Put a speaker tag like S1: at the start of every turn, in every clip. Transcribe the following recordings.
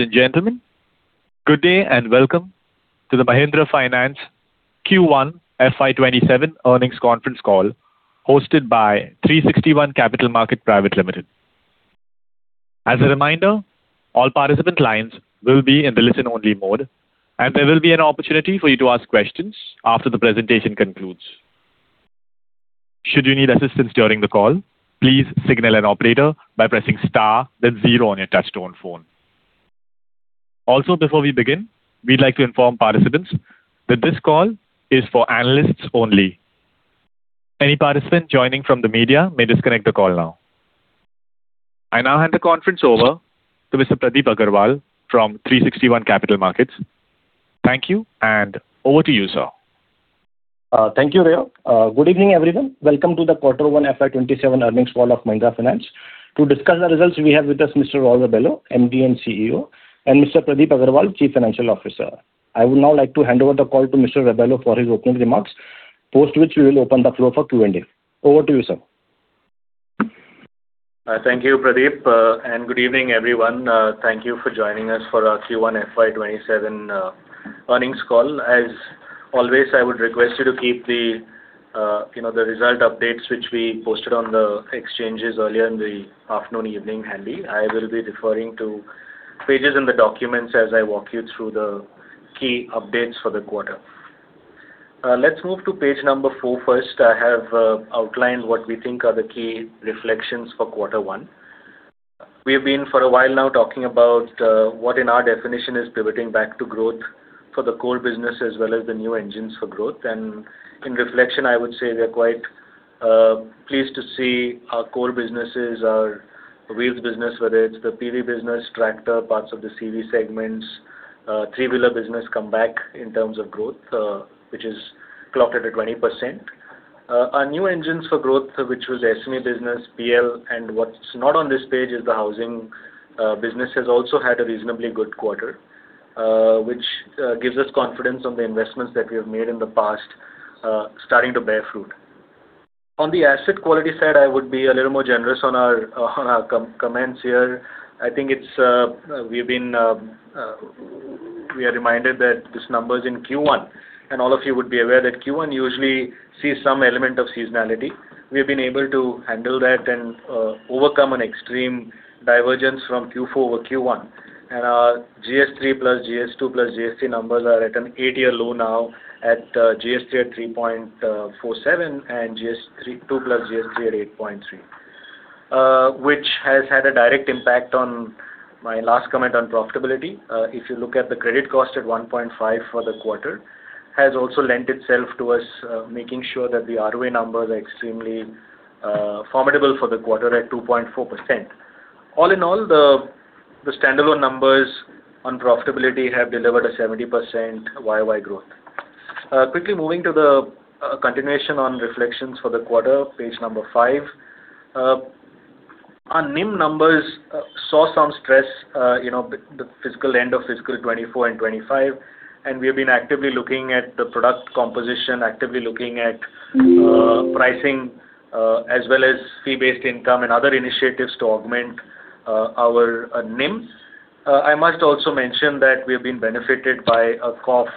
S1: Ladies and gentlemen, good day and welcome to the Mahindra Finance Q1 FY 2027 earnings conference call hosted by 360 ONE Capital Market Private Limited. As a reminder, all participant lines will be in the listen-only mode, and there will be an opportunity for you to ask questions after the presentation concludes. Should you need assistance during the call, please signal an operator by pressing star then zero on your touch-tone phone. Also, before we begin, we would like to inform participants that this call is for analysts only. Any participant joining from the media may disconnect the call now. I now hand the conference over to Mr. Pradeep Agrawal from 360 ONE Capital Markets. Thank you, and over to you, sir.
S2: Thank you, [Rihu]. Good evening, everyone. Welcome to the quarter one FY 2027 earnings call of Mahindra Finance. To discuss the results, we have with us Mr. Raul Rebello, MD and CEO, and Mr. Pradeep Agrawal, Chief Financial Officer. I would now like to hand over the call to Mr. Rebello for his opening remarks, after which we will open the floor for Q&A. Over to you, sir.
S3: Thank you, Pradeep, and good evening, everyone. Thank you for joining us for our Q1 FY 2027 earnings call. As always, I would request you to keep the result updates, which we posted on the exchanges earlier in the afternoon/evening handy. I will be referring to pages in the documents as I walk you through the key updates for the quarter. Let's move to page number four first. I have outlined what we think are the key reflections for quarter one. We have been for a while now talking about what in our definition is pivoting back to growth for the core business as well as the new engines for growth and in reflection, I would say we are quite pleased to see our core businesses, our wheels business, whether it's the PV business, tractor, parts of the CV segments, three-wheeler business come back in terms of growth, which is clocked at 20%. Our new engines for growth, which was SME business, PL, and what's not on this page is the housing business, has also had a reasonably good quarter, which gives us confidence on the investments that we have made in the past starting to bear fruit. On the asset quality side, I would be a little more generous on our comments here. We are reminded that this number is in Q1. All of you would be aware that Q1 usually sees some element of seasonality. We have been able to handle that and overcome an extreme divergence from Q4 over Q1. Our GS3 plus GS2 plus GS3 numbers are at an 8-year low now at GS3 at 3.47% and GS2 plus GS3 at 8.3%, which has had a direct impact on my last comment on profitability. If you look at the credit cost at 1.5% for the quarter, has also lent itself to us, making sure that the ROA numbers are extremely formidable for the quarter at 2.4%. All in all, the standalone numbers on profitability have delivered a 70% YoY growth. Quickly moving to the continuation on reflections for the quarter, page number five. Our NIM numbers saw some stress the end of FY 2024 and FY 2025. We have been actively looking at the product composition, actively looking at pricing, as well as fee-based income and other initiatives to augment our NIMs. I must also mention that we have been benefited by a CoF,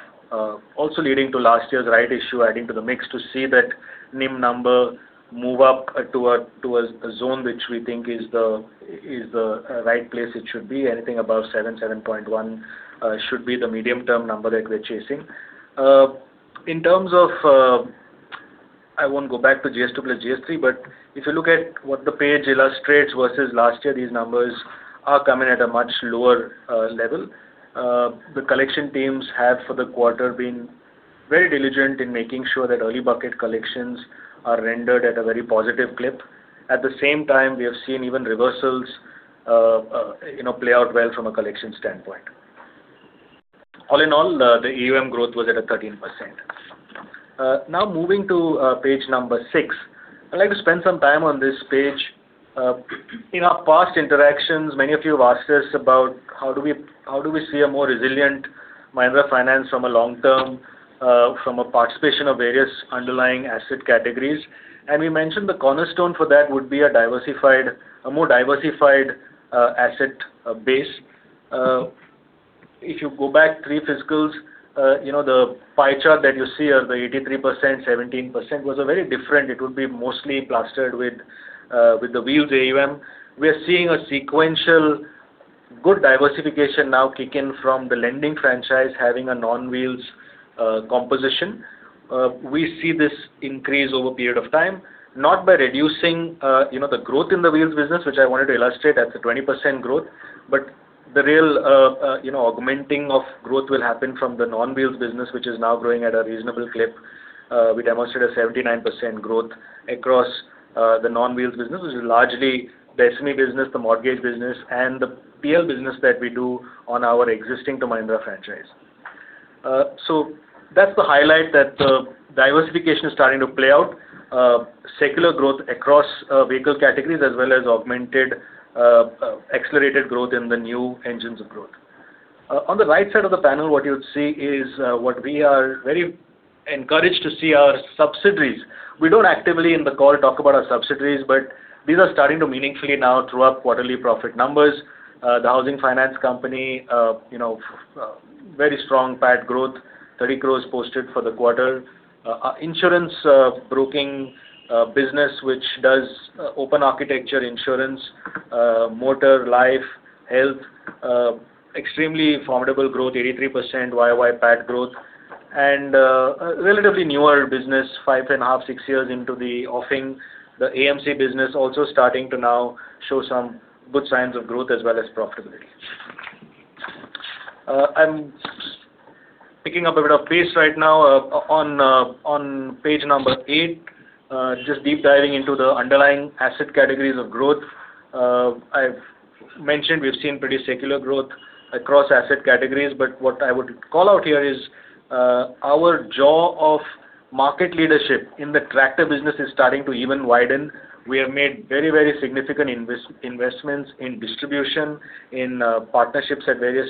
S3: also leading to last year's right issue adding to the mix to see that NIM number move up towards a zone which we think is the right place it should be. Anything above 7.1 should be the medium-term number that we're chasing. I won't go back to GS2 plus GS3. If you look at what the page illustrates versus last year, these numbers are coming at a much lower level. The collection teams have for the quarter been very diligent in making sure that early bucket collections are rendered at a very positive clip. At the same time, we have seen even reversals play out well from a collection standpoint. All in all, the AUM growth was at 13%. Moving to page number six. I'd like to spend some time on this page. In our past interactions, many of you have asked us about how do we see a more resilient Mahindra Finance from a long-term, from a participation of various underlying asset categories. We mentioned the cornerstone for that would be a more diversified asset base. If you go back three fiscals, the pie chart that you see of the 83%, 17% was very different. It would be mostly plastered with the wheels AUM. We are seeing a sequential good diversification now kick in from the lending franchise having a non-wheels composition. We see this increase over a period of time, not by reducing the growth in the wheels business, which I wanted to illustrate at a 20% growth. The real augmenting of growth will happen from the non-wheels business, which is now growing at a reasonable clip. We demonstrated 79% growth across the non-wheels business, which is largely the SME business, the mortgage business, and the PL business that we do on our existing Mahindra franchise. That's the highlight that the diversification is starting to play out. Secular growth across vehicle categories as well as augmented accelerated growth in the new engines of growth. On the right side of the panel, what you'd see is what we are very encouraged to see our subsidiaries. We don't actively in the call talk about our subsidiaries. These are starting to meaningfully now throw up quarterly profit numbers. The housing finance company very strong PAT growth, 30 crore posted for the quarter. Our insurance broking business, which does open architecture insurance, motor, life, health, extremely formidable growth, 83% YoY PAT growth. A relatively newer business, five and a half, six years into the offing, the AMC business also starting to now show some good signs of growth as well as profitability. I'm picking up a bit of pace right now on page eight. Deep diving into the underlying asset categories of growth. I've mentioned we've seen pretty secular growth across asset categories, but what I would call out here is our jaw of market leadership in the tractor business is starting to even widen. We have made very significant investments in distribution, in partnerships at various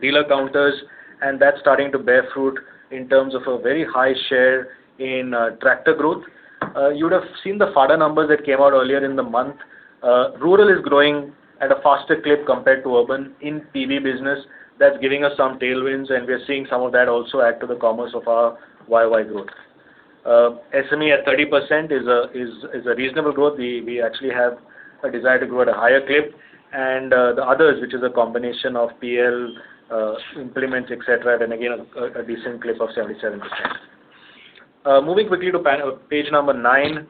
S3: dealer counters, and that's starting to bear fruit in terms of a very high share in tractor growth. You would have seen the FADA numbers that came out earlier in the month. Rural is growing at a faster clip compared to urban in PV business. That's giving us some tailwinds, and we are seeing some of that also add to the commerce of our YoY growth. SME at 30% is a reasonable growth. We actually have a desire to grow at a higher clip. The others, which is a combination of PL, implements, et cetera, at, again, a decent clip of 77%. Moving quickly to page nine.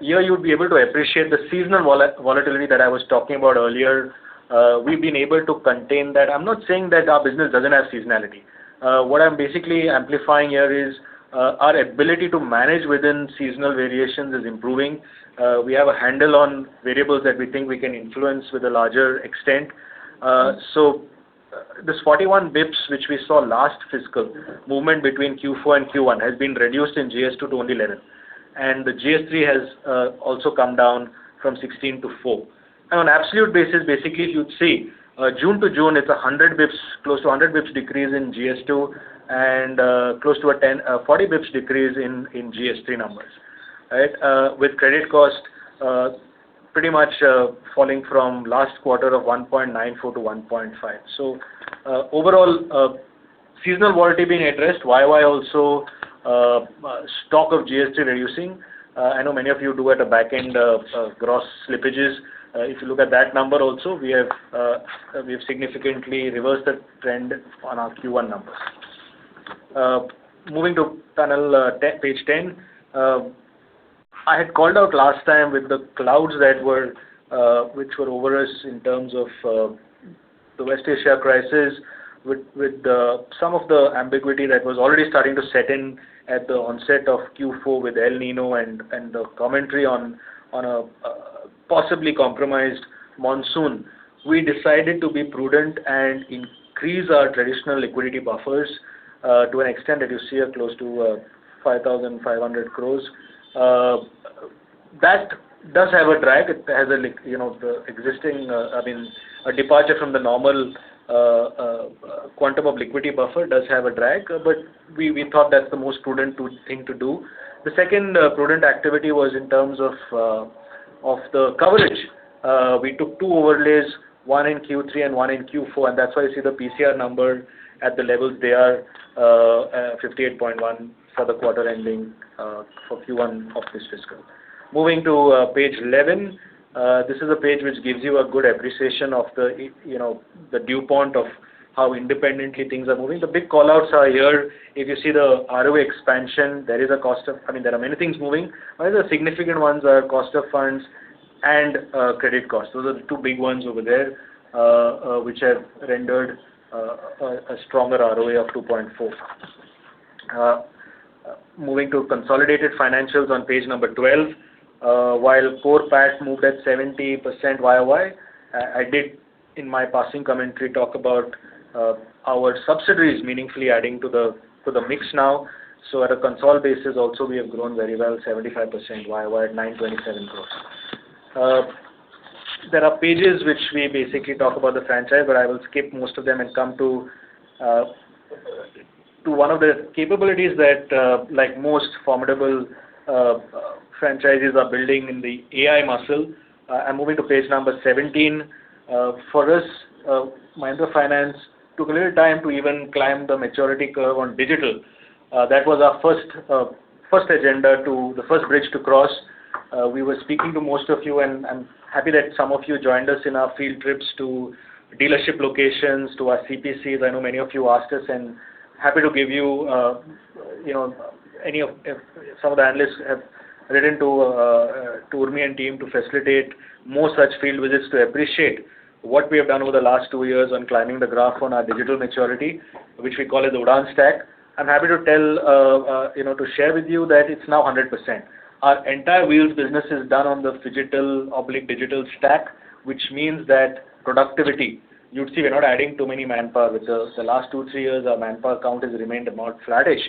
S3: Here you'll be able to appreciate the seasonal volatility that I was talking about earlier. We've been able to contain that. I'm not saying that our business doesn't have seasonality. What I'm basically amplifying here is our ability to manage within seasonal variations is improving. We have a handle on variables that we think we can influence with a larger extent. This 41 basis points, which we saw last fiscal, movement between Q4 and Q1 has been reduced in GS2 to only 11 basis points. The GS3 has also come down from 16 basis points to 4 basis points. On absolute basis, basically, you'd see June to June is close to 100 basis points decrease in GS2, and close to a 40 basis points decrease in GS3 numbers. With credit cost pretty much falling from last quarter of 1.94%-1.5%. Overall, seasonal volatility being addressed, YoY also stock of GS3 reducing. I know many of you do at a back-end gross slippages. If you look at that number also, we have significantly reversed that trend on our Q1 numbers. Moving to page 10. I had called out last time with the clouds which were over us in terms of the West Asia crisis, with some of the ambiguity that was already starting to set in at the onset of Q4 with El Niño and the commentary on a possibly compromised monsoon. We decided to be prudent and increase our traditional liquidity buffers to an extent that you see a close to 5,500 crore. That does have a drag. A departure from the normal quantum of liquidity buffer does have a drag, but we thought that's the most prudent thing to do. The second prudent activity was in terms of the coverage. We took two overlays, one in Q3 and one in Q4, and that's why you see the PCR number at the levels they are, 58.1% for the quarter ending for Q1 of this fiscal. Moving to page 11. This is a page which gives you a good appreciation of the viewpoint of how independently things are moving. The big call-outs are here. If you see the ROE expansion, there are many things moving. One of the significant ones are cost of funds and credit costs. Those are the two big ones over there, which have rendered a stronger ROA of 2.4%. Moving to consolidated financials on page number 12. While core PAT moved at 70% year-over-year, I did, in my passing commentary, talk about our subsidiaries meaningfully adding to the mix now. So at a consolidated basis also we have grown very well, 75% YoY at 927 crores. There are pages which we basically talk about the franchise, but I will skip most of them and come to one of the capabilities that most formidable franchises are building in the AI muscle. I'm moving to page number 17. For us, Mahindra Finance took a little time to even climb the maturity curve on digital. That was our first agenda, the first bridge to cross. We were speaking to most of you, and happy that some of you joined us in our field trips to dealership locations, to our CPCs. I know many of you asked us, and happy to give you, some of the analysts have written to Urmi and team to facilitate more such field visits to appreciate what we have done over the last two years on climbing the graph on our digital maturity, which we call the Udaan stack. I'm happy to share with you that it's now 100%. Our entire wheels business is done on the phygital/digital stack, which means that productivity. You'd see we're not adding too many manpower. The last two, three years, our manpower count has remained about flattish.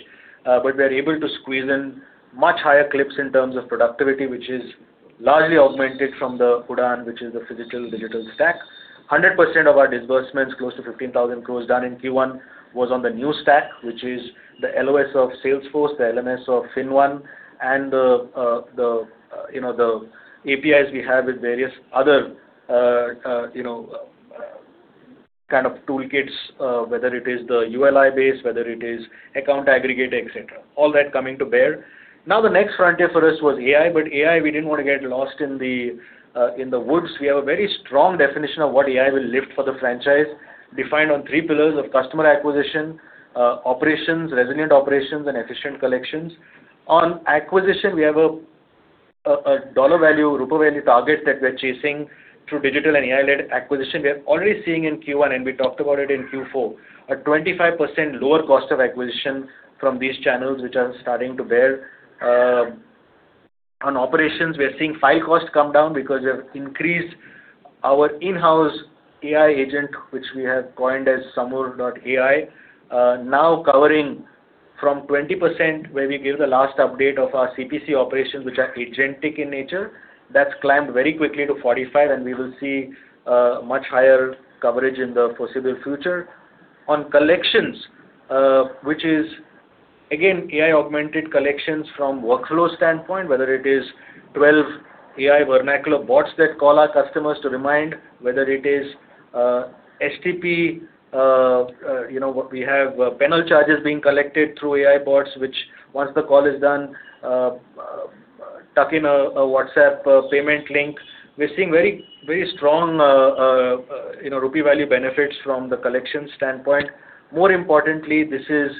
S3: We are able to squeeze in much higher clips in terms of productivity, which is largely augmented from the Udaan, which is the physical-digital stack. 100% of our disbursements, close to 15,000 crores done in Q1, was on the new stack, which is the LOS of Salesforce, the LMS of FinnOne, and the APIs we have with various other kind of toolkits, whether it is the ULI base, whether it is account aggregator, et cetera. All that coming to bear. The next frontier for us was AI, but AI, we didn't want to get lost in the woods. We have a very strong definition of what AI will lift for the franchise, defined on three pillars of customer acquisition, operations, resilient operations, and efficient collections. On acquisition, we have a dollar value, rupee value target that we're chasing through digital and AI-led acquisition. We are already seeing in Q1, and we talked about it in Q4, a 25% lower cost of acquisition from these channels, which are starting to bear. On operations, we are seeing file costs come down because we have increased our in-house AI agent, which we have coined as Samur.AI. Covering from 20%, where we gave the last update of our CPC operations, which are agentic in nature. That's climbed very quickly to 45%, and we will see a much higher coverage in the foreseeable future. On collections, which is again, AI-augmented collections from workflow standpoint, whether it is 12 AI vernacular bots that call our customers to remind, whether it is STP, what we have penal charges being collected through AI bots, which once the call is done, tuck in a WhatsApp payment link. We're seeing very strong rupee value benefits from the collection standpoint. More importantly, this is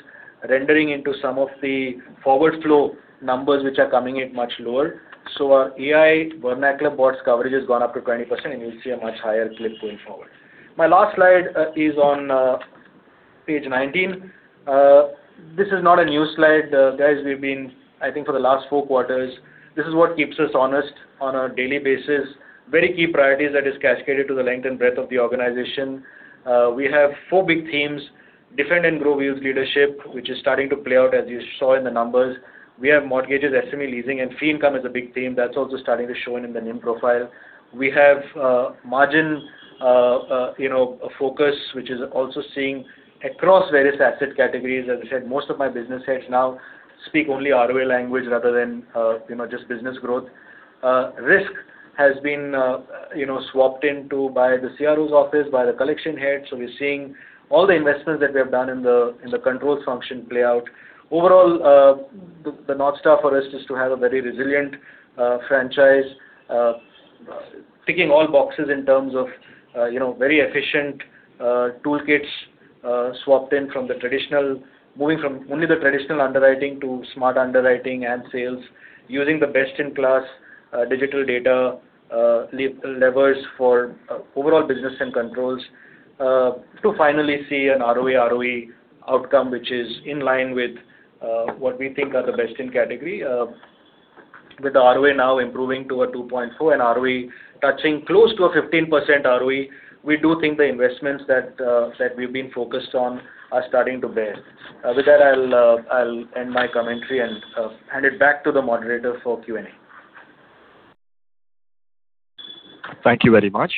S3: rendering into some of the forward flow numbers which are coming in much lower. Our AI vernacular bots coverage has gone up to 20%, and we'll see a much higher clip going forward. My last slide is on page 19. Guys, we've been, I think for the last four quarters, this is what keeps us honest on a daily basis. Very key priorities that is cascaded to the length and breadth of the organization. We have four big themes, different and grow wheels leadership, which is starting to play out as you saw in the numbers. We have mortgages, SME leasing, and fee income is a big theme that's also starting to show in the NIM profile. We have margin focus, which is also seeing across various asset categories. As I said, most of my business heads now speak only ROE language rather than just business growth. Risk has been swapped in too by the CRO's office, by the collection heads. We're seeing all the investments that we have done in the controls function play out. Overall, the North Star for us is to have a very resilient franchise, ticking all boxes in terms of very efficient toolkits swapped in from the traditional, moving from only the traditional underwriting to smart underwriting and sales, using the best-in-class digital data levers for overall business and controls, to finally see an ROE outcome which is in line with what we think are the best in category. With the ROA now improving to a 2.4% and ROE touching close to a 15% ROE, we do think the investments that we've been focused on are starting to bear. With that, I'll end my commentary and hand it back to the moderator for Q&A.
S1: Thank you very much.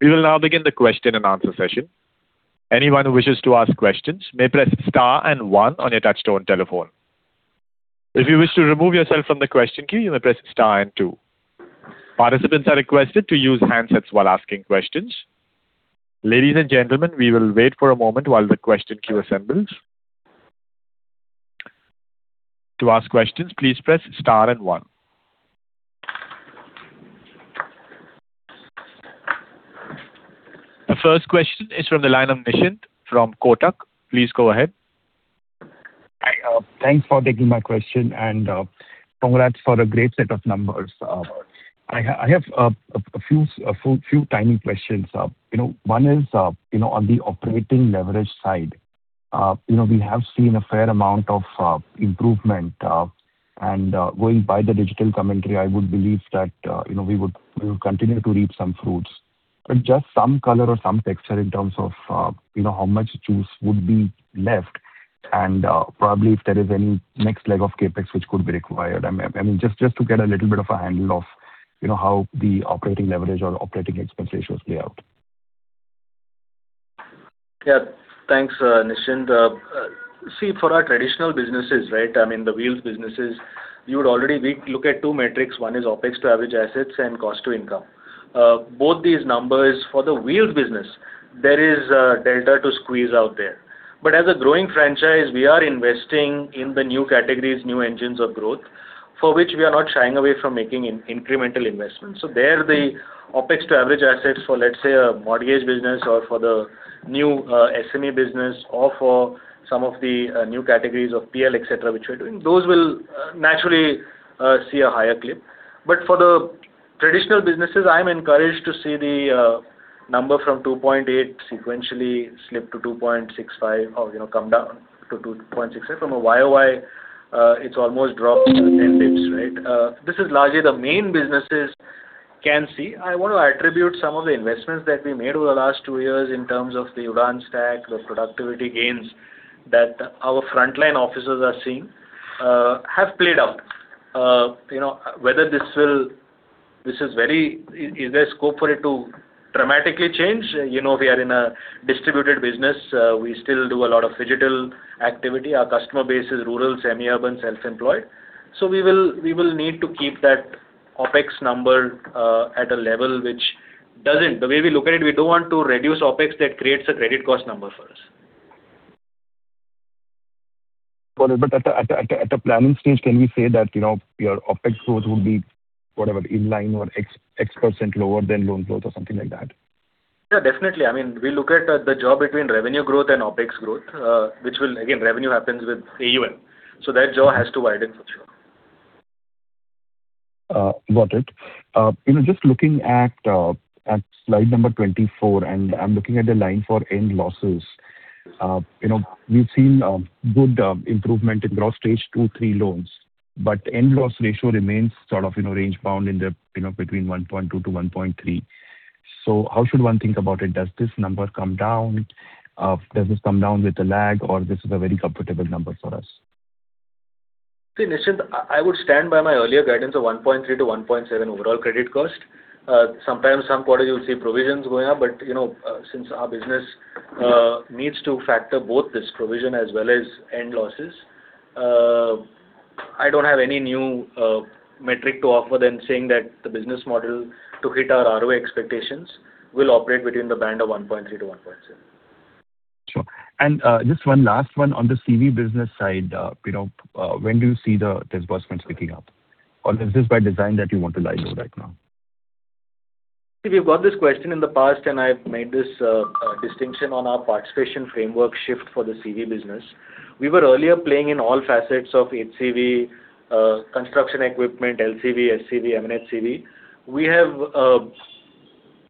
S1: We will now begin the question-and-answer session. Anyone who wishes to ask questions may press star and one on your touch-tone telephone. If you wish to remove yourself from the question queue, you may press star and two. Participants are requested to use handsets while asking questions. Ladies and gentlemen, we will wait for a moment while the question queue assembles. To ask questions, please press star and one. The first question is from the line of Nishant from Kotak. Please go ahead.
S4: Hi. Thanks for taking my question and congrats for a great set of numbers. I have a few tiny questions. One is, on the operating leverage side. We have seen a fair amount of improvement. Going by the digital commentary, I would believe that we will continue to reap some fruits. Just some color or some texture in terms of how much juice would be left, and probably if there is any next leg of CapEx which could be required. Just to get a little bit of a handle of how the operating leverage or operating expense ratios play out.
S3: Yeah. Thanks, Nishant. I mean, the wheels businesses, you would already look at two metrics. One is OpEx to average assets and cost to income. Both these numbers for the wheels business, there is a delta to squeeze out there. As a growing franchise, we are investing in the new categories, new engines of growth, for which we are not shying away from making incremental investments. There, the OpEx to average assets for, let's say, a mortgage business or for the new SME business or for some of the new categories of PL, et cetera, which we are doing, those will naturally see a higher clip. For the traditional businesses, I'm encouraged to see the number from 2.8% sequentially slip to 2.65% or come down to 2.66%. From YoY, it's almost dropped 10 basis points, right? This is largely the main businesses. Can see. I want to attribute some of the investments that we made over the last two years in terms of the Udaan stack, the productivity gains that our frontline officers are seeing have played out. Is there scope for it to dramatically change? We are in a distributed business. We still do a lot of [phygital] activity. Our customer base is rural, semi-urban, self-employed. We will need to keep that OpEx number at a level which doesn't. The way we look at it, we don't want to reduce OpEx that creates a credit cost number for us.https://editor.inflexiontranscribe.com/static/media/icon-play.39003f0a4baacd961cc853b952165cc5.svg
S4: Got it. At the planning stage, can we say that your OpEx growth would be, whatever, in line or X% lower than loan growth or something like that?
S3: Yeah, definitely. We look at the jaw between revenue growth and OpEx growth, which will, again, revenue happens with AUM, that jaw has to widen for sure.
S4: Got it. Just looking at slide number 24, I'm looking at the line for end losses. We've seen good improvement in gross Stage 2, 3 loans, end loss ratio remains range bound between 1.2%-1.3%. How should one think about it? Does this number come down? Does this come down with a lag or this is a very comfortable number for us?
S3: See, Nishant, I would stand by my earlier guidance of 1.3%-1.7% overall credit cost. Sometimes some quarters you'll see provisions going up, since our business needs to factor both this provision as well as end losses, I don't have any new metric to offer than saying that the business model to hit our ROE expectations will operate between the band of 1.3%-1.7%.
S4: Sure. Just one last one on the CV business side. When do you see the disbursements picking up? Is this by design that you want to lie low right now?
S3: We've got this question in the past and I've made this distinction on our participation framework shift for the CV business. We were earlier playing in all facets of HCV, construction equipment, LCV, SCV, MHCV. We have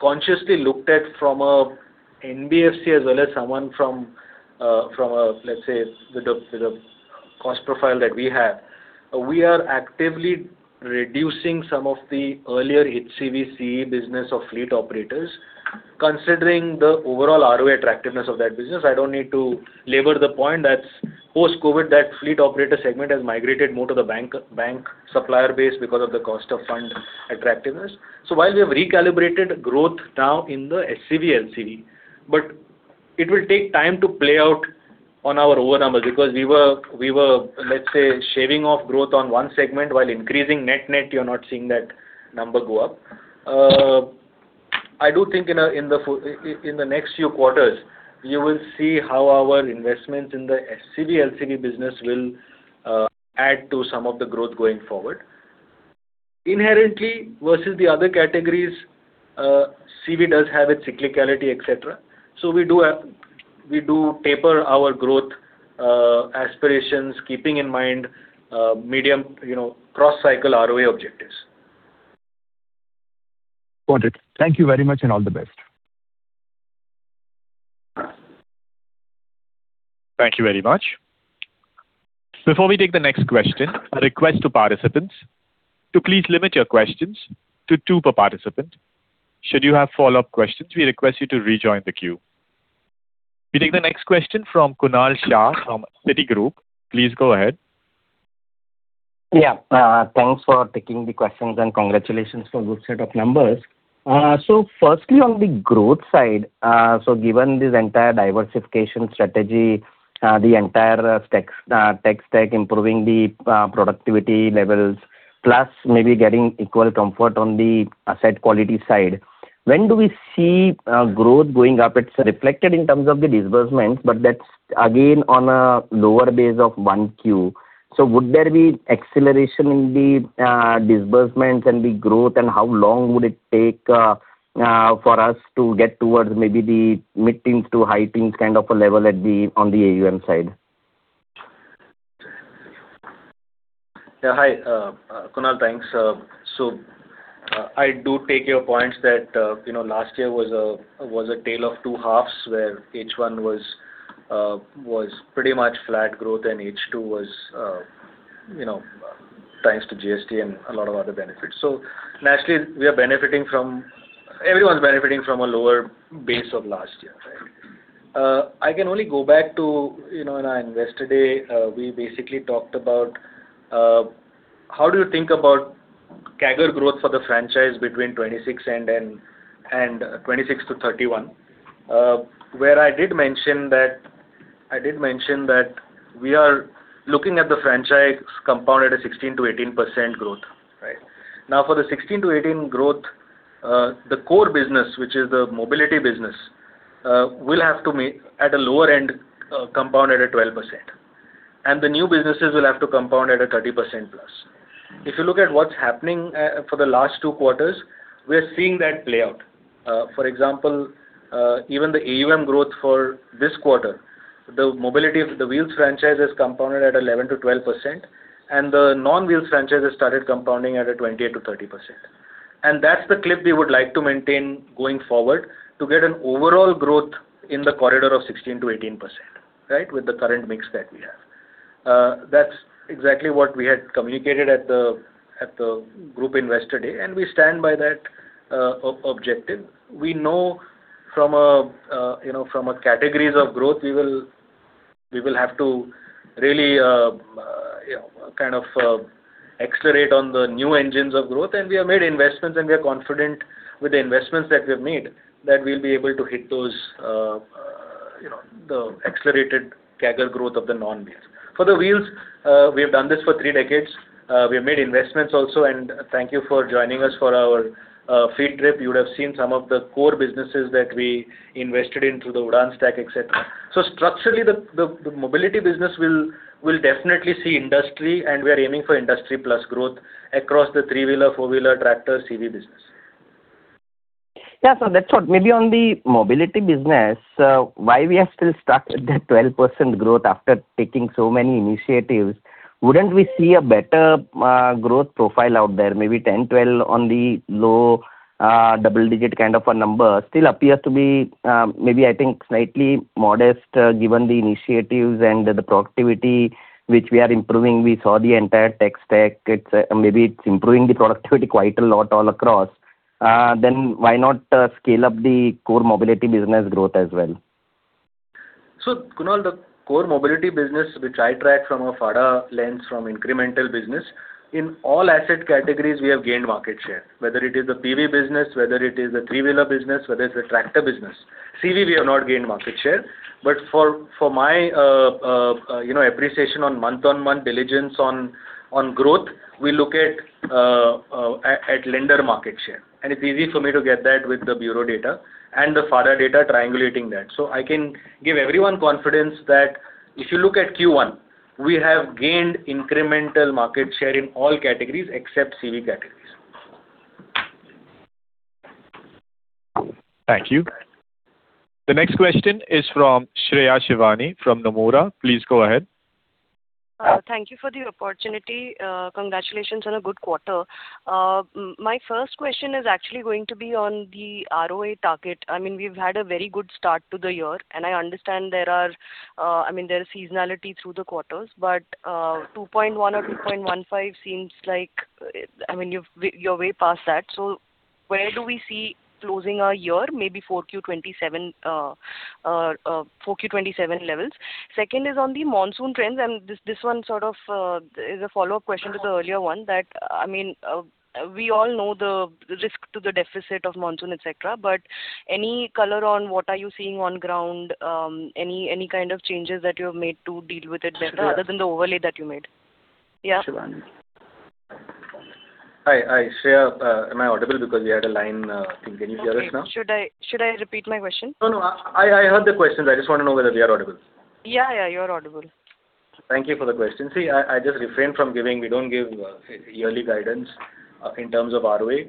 S3: consciously looked at from a NBFC as well as someone from, let's say, with the cost profile that we have. We are actively reducing some of the earlier HCV CE business of fleet operators. Considering the overall ROE attractiveness of that business, I don't need to labor the point that post-COVID, that fleet operator segment has migrated more to the bank supplier base because of the cost of funds attractiveness. While we have recalibrated growth now in the SCV, LCV, but it will take time to play out on our ROE numbers because we were, let's say, shaving off growth on one segment while increasing net-net, you're not seeing that number go up. I do think in the next few quarters, you will see how our investments in the SCV, LCV business will add to some of the growth going forward. Inherently, versus the other categories, CV does have its cyclicality, et cetera. We do taper our growth aspirations, keeping in mind medium, cross-cycle ROE objectives.
S4: Got it. Thank you very much and all the best.
S1: Thank you very much. Before we take the next question, a request to participants to please limit your questions to two per participant. Should you have follow-up questions, we request you to rejoin the queue. We take the next question from Kunal Shah from Citigroup. Please go ahead.
S5: Yeah. Thanks for taking the questions and congratulations for good set of numbers. Firstly, on the growth side, given this entire diversification strategy, the entire tech stack, improving the productivity levels, plus maybe getting equal comfort on the asset quality side, when do we see growth going up? It's reflected in terms of the disbursements, but that's again on a lower base of 1Q. Would there be acceleration in the disbursements and the growth, and how long would it take for us to get towards maybe the mid-teens to high-teens kind of a level on the AUM side?
S3: Yeah. Hi, Kunal. Thanks. I do take your points that last year was a tale of two halves where H1 was pretty much flat growth and H2 was thanks to GST and a lot of other benefits. Naturally, everyone's benefiting from a lower base of last year, right? I can only go back to in our Investor Day, we basically talked about how do you think about CAGR growth for the franchise between 2026 to 2031, where I did mention that we are looking at the franchise compounded a 16%-18% growth. Right? Now for the 16%-18% growth, the core business, which is the mobility business, will have to meet at a lower end, compounded at 12%. The new businesses will have to compound at a 30%+. If you look at what's happening for the last two quarters, we are seeing that play out. For example, even the AUM growth for this quarter, the wheels franchise is compounded at 11%-12%, and the non-wheels franchise has started compounding at a 28%-30%. That's the clip we would like to maintain going forward to get an overall growth in the corridor of 16%-18%, right, with the current mix that we have. That's exactly what we had communicated at the group Investor Day. We stand by that objective. We know from a categories of growth, we will have to really accelerate on the new engines of growth. We have made investments. We are confident with the investments that we have made, that we'll be able to hit those accelerated CAGR growth of the non-wheels. For the wheels, we have done this for three decades. We have made investments also. Thank you for joining us for our field trip. You would have seen some of the core businesses that we invested in through the Udaan stack, et cetera. Structurally, the mobility business will definitely see industry. We are aiming for industry plus growth across the three-wheeler, four-wheeler, tractor, CV business.
S5: That's what. Maybe on the mobility business, why we are still stuck with that 12% growth after taking so many initiatives? Wouldn't we see a better growth profile out there, maybe 10%, 12% on the low double-digit kind of a number? Still appears to be, maybe I think slightly modest given the initiatives and the productivity which we are improving. We saw the entire tech stack. Maybe it is improving the productivity quite a lot all across. Why not scale up the core mobility business growth as well?
S3: Kunal, the core mobility business, which I track from a FADA lens, from incremental business. In all asset categories, we have gained market share, whether it is the PV business, whether it is the three-wheeler business, whether it is the tractor business. CV, we have not gained market share. For my appreciation on month-on-month diligence on growth, we look at lender market share, and it is easy for me to get that with the bureau data and the FADA data triangulating that. I can give everyone confidence that if you look at Q1, we have gained incremental market share in all categories except CV categories.
S1: Thank you. The next question is from Shreya Shivani from Nomura. Please go ahead.
S6: Thank you for the opportunity. Congratulations on a good quarter. My first question is actually going to be on the ROA target. We have had a very good start to the year, and I understand there is seasonality through the quarters, but 2.1% or 2.15% seems like you're way past that. Where do we see closing our year, maybe 4Q 2027 levels? Second is on the monsoon trends, and this one sort of is a follow-up question to the earlier one that we all know the risk to the deficit of monsoon, et cetera, but any color on what are you seeing on ground? Any kind of changes that you have made to deal with it better other than the overlay that you made? Yeah.
S3: Hi, Shreya. Am I audible because we had a line thing. Can you hear us now?
S6: Okay. Should I repeat my question?
S3: No, I heard the questions. I just want to know whether we are audible.
S6: Yeah, you're audible.
S3: Thank you for the question. I just refrain from giving. We don't give yearly guidance in terms of ROA.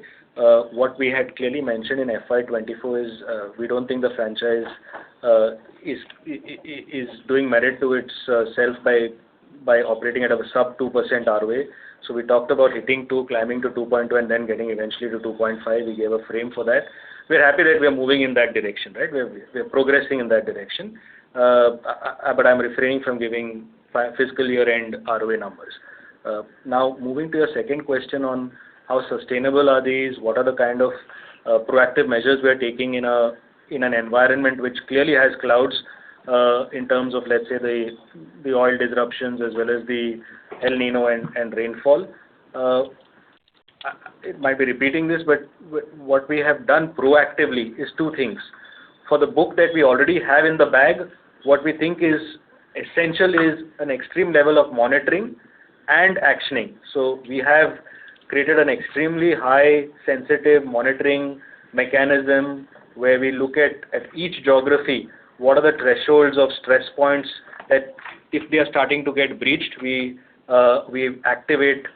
S3: What we had clearly mentioned in FY 2024 is, we don't think the franchise is doing merit to itself by operating at a sub 2% ROA. We talked about hitting 2%, climbing to 2.2%, and then getting eventually to 2.5%. We gave a frame for that. We're happy that we are moving in that direction. Right? We're progressing in that direction. I'm refraining from giving fiscal year-end ROA numbers. Moving to your second question on how sustainable are these, what are the kind of proactive measures we are taking in an environment which clearly has clouds, in terms of, let's say, the oil disruptions as well as the El Niño and rainfall. It might be repeating this. What we have done proactively is two things. For the book that we already have in the bag, what we think is essential is an extreme level of monitoring and actioning. We have created an extremely high sensitive monitoring mechanism where we look at each geography, what are the thresholds of stress points that if they are starting to get breached, we activate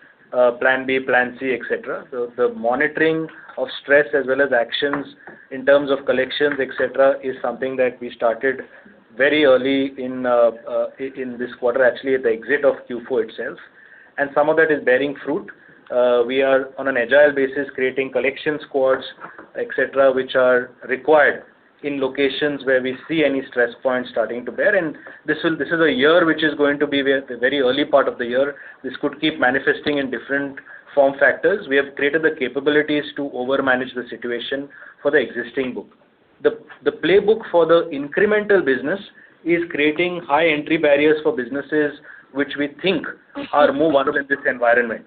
S3: plan B, plan C, et cetera. The monitoring of stress as well as actions in terms of collections, et cetera, is something that we started very early in this quarter, actually, at the exit of Q4 itself. Some of that is bearing fruit. We are on an agile basis, creating collection squads, et cetera, which are required in locations where we see any stress points starting to bear. This is a year which is going to be. The very early part of the year, this could keep manifesting in different form factors. We have created the capabilities to overmanage the situation for the existing book. The playbook for the incremental business is creating high entry barriers for businesses which we think are more vulnerable in this environment.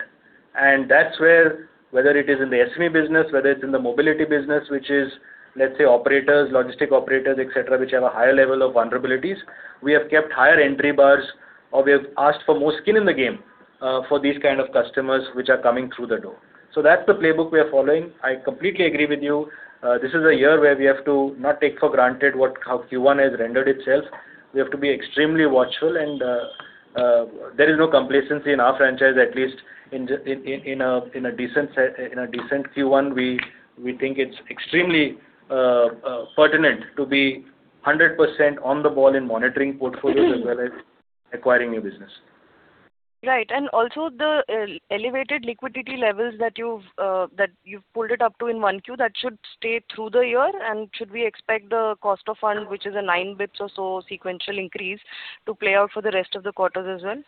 S3: That's where, whether it is in the SME business, whether it's in the mobility business, which is, let's say, operators, logistic operators, et cetera, which have a higher level of vulnerabilities. We have kept higher entry bars or we have asked for more skin in the game for these kind of customers which are coming through the door. That's the playbook we are following. I completely agree with you. This is a year where we have to not take for granted how Q1 has rendered itself. We have to be extremely watchful. There is no complacency in our franchise, at least in a decent Q1. We think it's extremely pertinent to be 100% on the ball in monitoring portfolios as well as acquiring new business.
S6: Right. Also the elevated liquidity levels that you've pulled it up to in 1Q, that should stay through the year and should we expect the cost of funds, which is a 9 basis points or so sequential increase to play out for the rest of the quarters as well?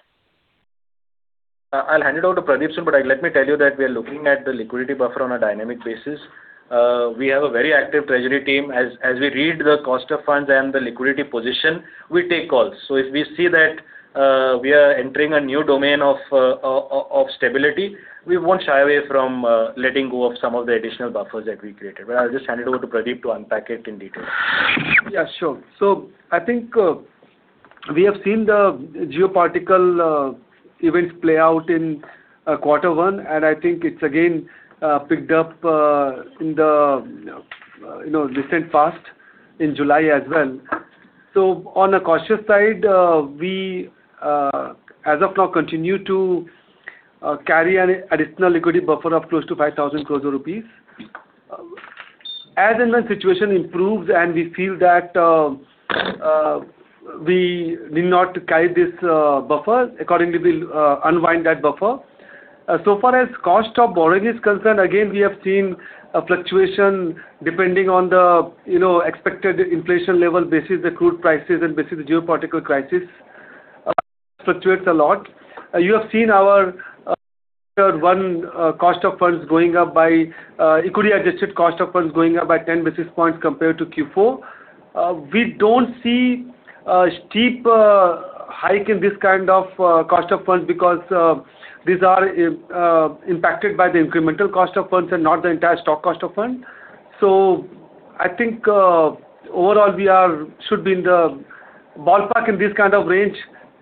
S3: I'll hand it over to Pradeep soon, let me tell you that we are looking at the liquidity buffer on a dynamic basis. We have a very active treasury team. As we read the cost of funds and the liquidity position, we take calls. If we see that we are entering a new domain of stability, we won't shy away from letting go of some of the additional buffers that we created. I'll just hand it over to Pradeep to unpack it in detail.
S7: Yeah, sure. I think we have seen the geopolitical events play out in quarter one, I think it's again picked up in the recent past, in July as well. On a cautious side, we as of now continue to carry an additional liquidity buffer of close to 5,000 crore rupees. As and when situation improves and we feel that we need not carry this buffer, accordingly we'll unwind that buffer. Far as cost of borrowing is concerned, again, we have seen a fluctuation depending on the expected inflation level versus the crude prices and versus the geopolitical crisis. It fluctuates a lot. You have seen our Q1 cost of funds going up by, equity-adjusted cost of funds going up by 10 basis points compared to Q4. We don't see a steep hike in this kind of cost of funds because these are impacted by the incremental cost of funds and not the entire stock cost of funds. I think overall we should be in the ballpark in this kind of range,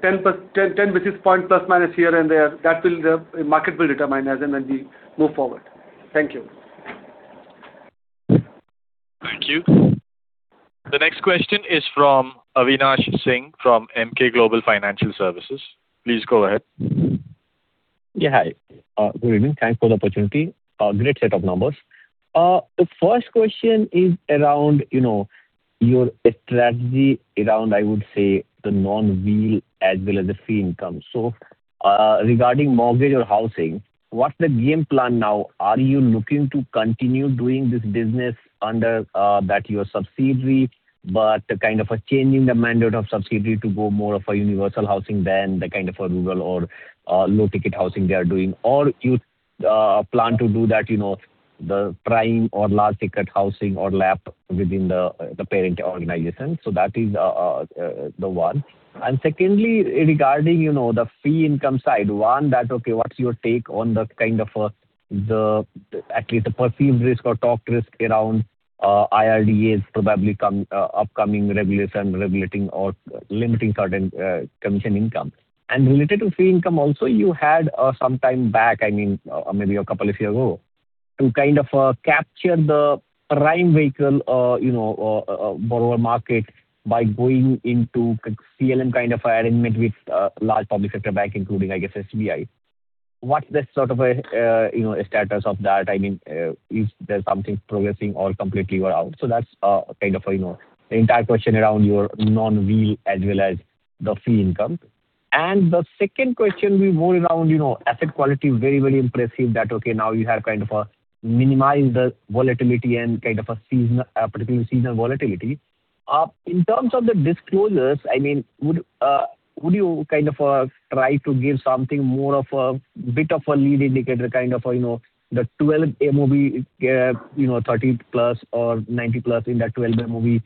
S7: 10± basis points here and there. Market will determine as and when we move forward. Thank you.
S1: Thank you. The next question is from Avinash Singh from Emkay Global Financial Services. Please go ahead.
S8: Hi. Good evening. Thanks for the opportunity. Great set of numbers. The first question is around your strategy around, I would say, the non-wheel as well as the fee income. Regarding mortgage or housing, what's the game plan now? Are you looking to continue doing this business under that your subsidiary, but kind of a change in the mandate of subsidiary to go more of a universal housing than the kind of rural or low-ticket housing they are doing? Or you plan to do that, the prime or large ticket housing or lap within the parent organization. That is the one. Secondly, regarding the fee income side. One, that okay, what's your take on at least the perceived risk or talked risk around IRDAI's probably upcoming regulation regulating or limiting certain commission income. Related to fee income also, you had some time back, maybe a couple of years ago, to kind of capture the prime vehicle borrower market by going into CLM kind of arrangement with large public sector bank, including I guess, SBI. What's the sort of status of that? If there's something progressing or completely you are out. That's kind of the entire question around your non-wheel as well as the fee income. The second question will be more around asset quality. Very impressive that okay, now you have kind of minimized the volatility and kind of a particular seasonal volatility. In terms of the disclosures, would you kind of try to give something more of a bit of a lead indicator kind of the 12 MOB, 30+ or 90+ in that 12 MOB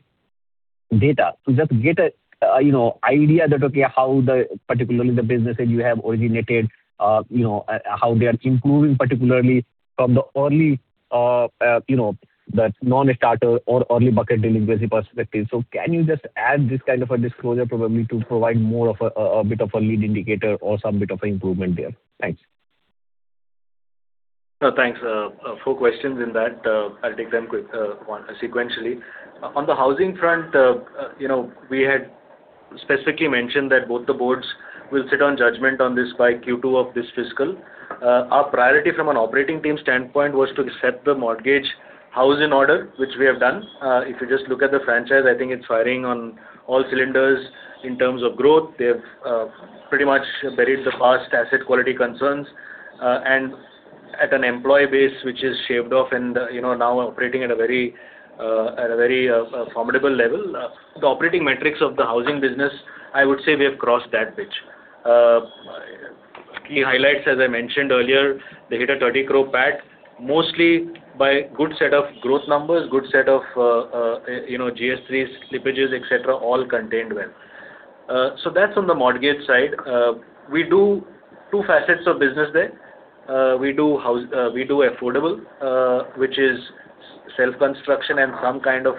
S8: data to just get an idea that okay, how particularly the businesses you have originated how they are improving particularly from the early, the non-starter or early bucket delinquency perspective. Can you just add this kind of a disclosure probably to provide more of a bit of a lead indicator or some bit of improvement there? Thanks.
S3: Thanks. Four questions in that. I will take them sequentially. On the housing front, we had specifically mentioned that both the Boards will sit on judgment on this by Q2 of this fiscal. Our priority from an operating team standpoint was to set the mortgage house in order, which we have done. If you just look at the franchise, I think it is firing on all cylinders in terms of growth. They have pretty much buried the past asset quality concerns. And at an employee base which is shaved off and now operating at a very formidable level. The operating metrics of the housing business, I would say we have crossed that bridge. Key highlights, as I mentioned earlier, they hit an 30 crore PAT mostly by good set of growth numbers, good set of GS3 slippages, et cetera, all contained well. That is on the mortgage side. We do two facets of business there. We do affordable, which is self-construction and some kind of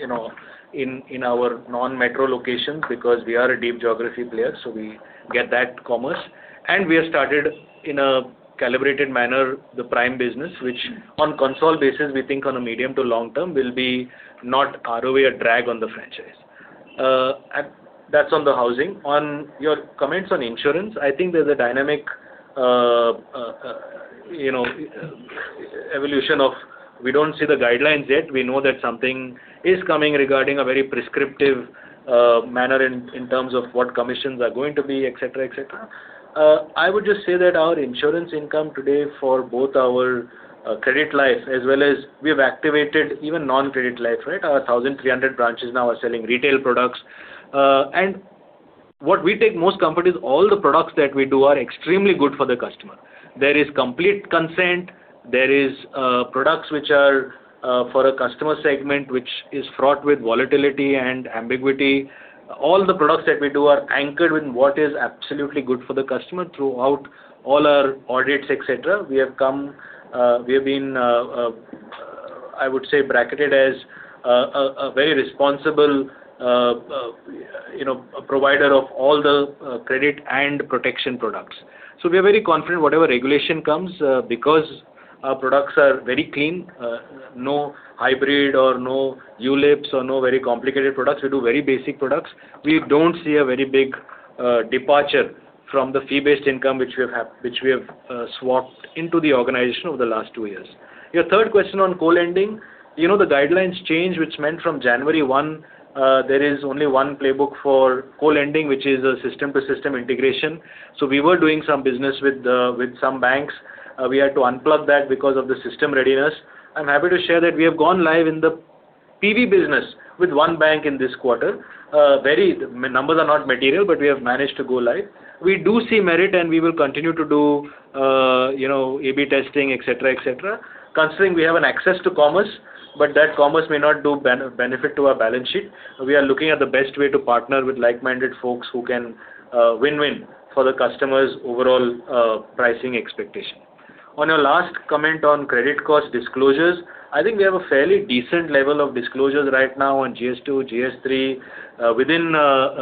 S3: in our non-metro locations because we are a deep geography player, so we get that commerce. We have started in a calibrated manner the prime business, which on console basis we think on a medium to long term will be not ROE or drag on the franchise. That is on the housing. On your comments on insurance, I think there is a dynamic evolution of we do not see the guidelines yet. We know that something is coming regarding a very prescriptive manner in terms of what commissions are going to be, et cetera. I would just say that our insurance income today for both our credit life as well as we have activated even non-credit life, right? Our 1,300 branches now are selling retail products. What we take most comfort is all the products that we do are extremely good for the customer. There is complete consent. There is products which are for a customer segment, which is fraught with volatility and ambiguity. All the products that we do are anchored with what is absolutely good for the customer throughout all our audits, et cetera. We have been, I would say, bracketed as a very responsible provider of all the credit and protection products. We are very confident whatever regulation comes, because our products are very clean, no hybrid or no ULIPs or no very complicated products. We do very basic products. We do not see a very big departure from the fee-based income which we have swapped into the organization over the last two years. Your third question on co-lending, the guidelines change, which meant from January 1, there is only one playbook for co-lending, which is a system-to-system integration. We were doing some business with some banks. We had to unplug that because of the system readiness. I am happy to share that we have gone live in the PV business with one bank in this quarter. Numbers are not material, but we have managed to go live. We do see merit and we will continue to do AB testing, et cetera. Considering we have an access to commerce, but that commerce may not do benefit to our balance sheet. We are looking at the best way to partner with like-minded folks who can win-win for the customer's overall pricing expectation. On your last comment on credit cost disclosures, I think we have a fairly decent level of disclosures right now on GS2, GS3 within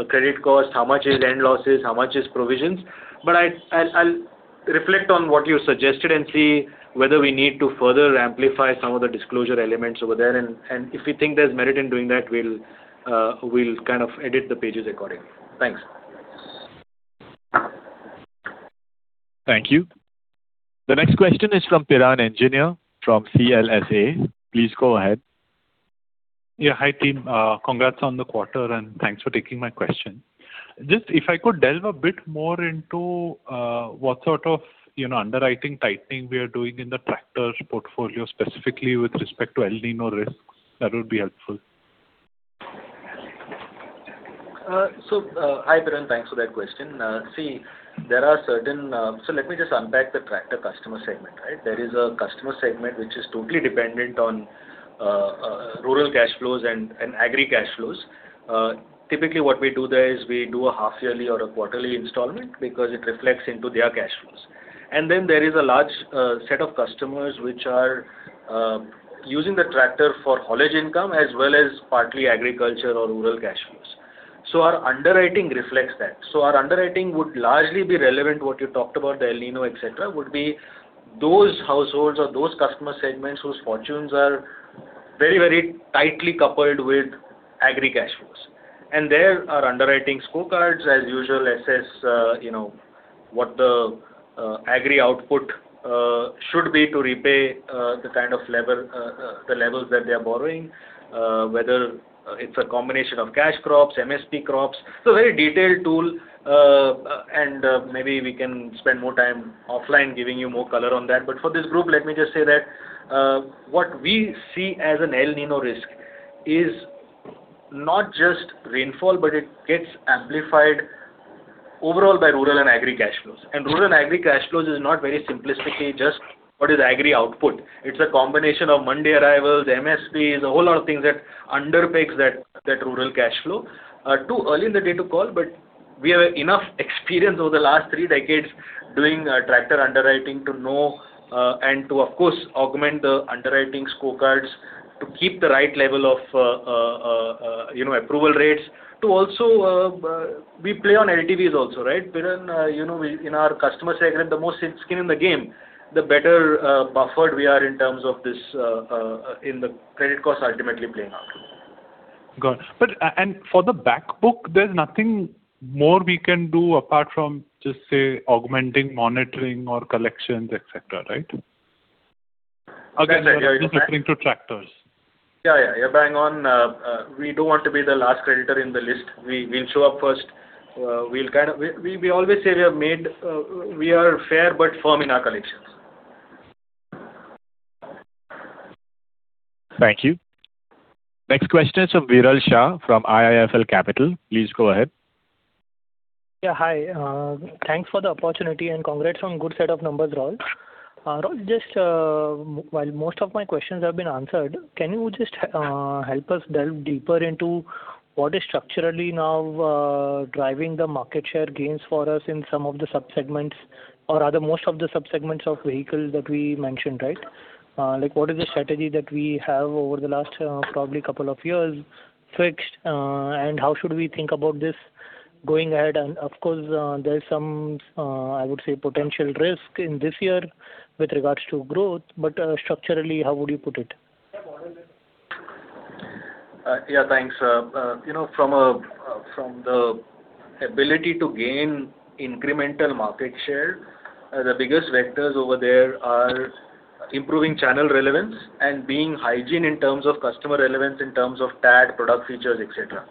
S3: credit cost, how much is end losses, how much is provisions. I'll reflect on what you suggested and see whether we need to further amplify some of the disclosure elements over there, and if we think there's merit in doing that, we'll edit the pages accordingly. Thanks.
S1: Thank you. The next question is from Piran Engineer from CLSA. Please go ahead.
S9: Hi, team. Congrats on the quarter, and thanks for taking my question. Just if I could delve a bit more into what sort of underwriting tightening we are doing in the tractors portfolio, specifically with respect to El Niño risks, that would be helpful.
S3: Hi, Piran. Thanks for that question. Let me just unpack the tractor customer segment, right? There is a customer segment which is totally dependent on rural cash flows and agri cash flows. Typically, what we do there is we do a half yearly or a quarterly installment because it reflects into their cash flows. Then there is a large set of customers which are using the tractor for Haulage income as well as partly agriculture or rural cash flows. Our underwriting reflects that. Our underwriting would largely be relevant to what you talked about, the El Niño, et cetera, would be those households or those customer segments whose fortunes are very tightly coupled with agri cash flows. There our underwriting scorecards as usual assess what the agri output should be to repay the levels that they are borrowing whether it's a combination of cash crops, MSP crops. A very detailed tool and maybe we can spend more time offline giving you more color on that. For this group, let me just say that what we see as an El Niño risk is not just rainfall, but it gets amplified overall by rural and agri cash flows. Rural and agri cash flows is not very simplistically just what is agri output. It's a combination of Mandi arrivals, MSPs, a whole lot of things that under pegs that rural cash flow. Too early in the day to call, we have enough experience over the last three decades doing tractor underwriting to know and to, of course, augment the underwriting scorecards to keep the right level of approval rates. We play on LTVs also, right, Piran? In our customer segment, the more skin in the game, the better buffered we are in terms of this in the credit cost ultimately playing out.
S9: Got it. For the back book, there's nothing more we can do apart from just say augmenting, monitoring or collections, et cetera, right?
S3: That's right.
S9: Again, I'm referring to tractors.
S3: Yeah. You're bang on. We don't want to be the last creditor in the list. We'll show up first. We always say we are fair but firm in our collections.
S1: Thank you. Next question is from Viral Shah from IIFL Capital. Please go ahead.
S10: Yeah. Hi. Thanks for the opportunity and congrats on good set of numbers, Raul. Raul, while most of my questions have been answered, can you just help us delve deeper into what is structurally now driving the market share gains for us in some of the sub-segments or rather most of the sub-segments of vehicles that we mentioned, right? What is the strategy that we have over the last probably couple of years fixed and how should we think about this going ahead? Of course, there's some I would say potential risk in this year with regards to growth, but structurally, how would you put it?
S3: Thanks. From the ability to gain incremental market share, the biggest vectors over there are improving channel relevance and being hygiene in terms of customer relevance, in terms of tag, product features, et cetera.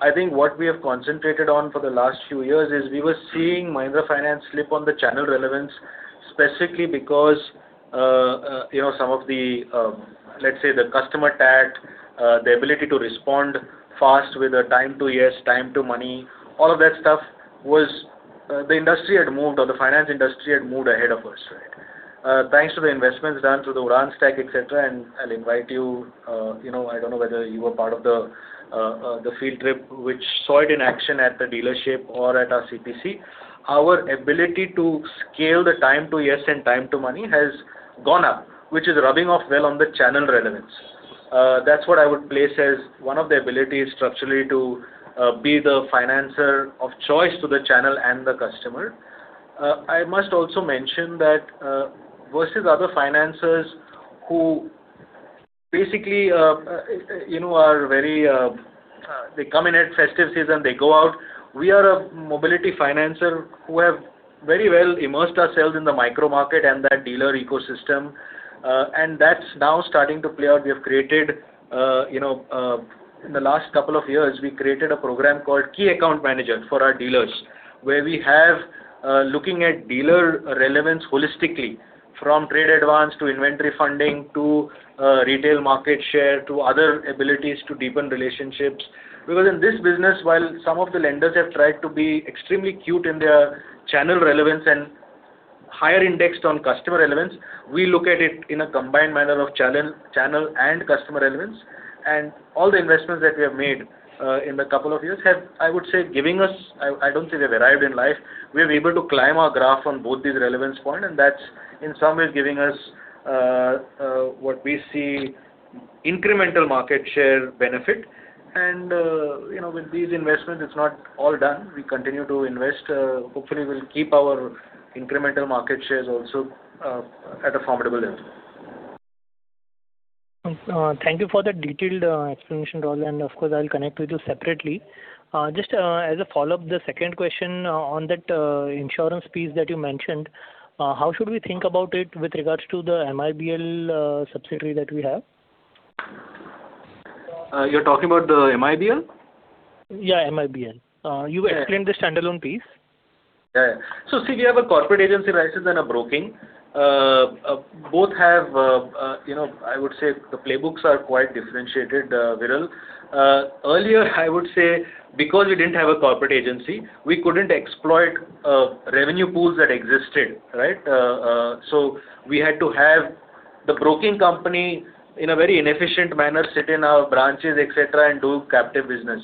S3: I think what we have concentrated on for the last few years is we were seeing Mahindra Finance slip on the channel relevance, specifically because some of the, let's say, the customer tag, the ability to respond fast with the time to yes, time to money, all of that stuff, the finance industry had moved ahead of us. Thanks to the investments done through the Udaan stack, et cetera, and I'll invite you, I don't know whether you were part of the field trip, which saw it in action at the dealership or at our CPC? Our ability to scale the time to yes and time to money has gone up, which is rubbing off well on the channel relevance. That's what I would place as one of the abilities structurally to be the financer of choice to the channel and the customer. I must also mention that versus other financers who basically come in at festive season, they go out. We are a mobility financer who have very well immersed ourselves in the micro market and that dealer ecosystem, and that's now starting to play out. In the last couple of years, we created a program called Key Account Manager for our dealers, where we have, looking at dealer relevance holistically from trade advance to inventory funding, to retail market share, to other abilities to deepen relationships. Because in this business, while some of the lenders have tried to be extremely acute in their channel relevance and higher indexed on customer relevance, we look at it in a combined manner of channel and customer relevance. All the investments that we have made in the couple of years have, I would say, giving us, I don't say we've arrived in life. We're able to climb our graph on both these relevance point, and that's in some ways giving us what we see incremental market share benefit. With these investments, it's not all done. We continue to invest. Hopefully, we'll keep our incremental market shares also at a formidable level.
S10: Thank you for the detailed explanation, Raul and of course, I'll connect with you separately. Just as a follow-up, the second question on that insurance piece that you mentioned, how should we think about it with regards to the MIBL subsidiary that we have?
S3: You're talking about the MIBL?
S10: Yeah, MIBL. You explained the standalone piece.
S3: Yeah. See, we have a corporate agency license and a broking. Both have, I would say, the playbooks are quite differentiated, Viral. Earlier, I would say, because we didn't have a corporate agency, we couldn't exploit revenue pools that existed. We had to have the broking company in a very inefficient manner, sit in our branches, et cetera, and do captive business.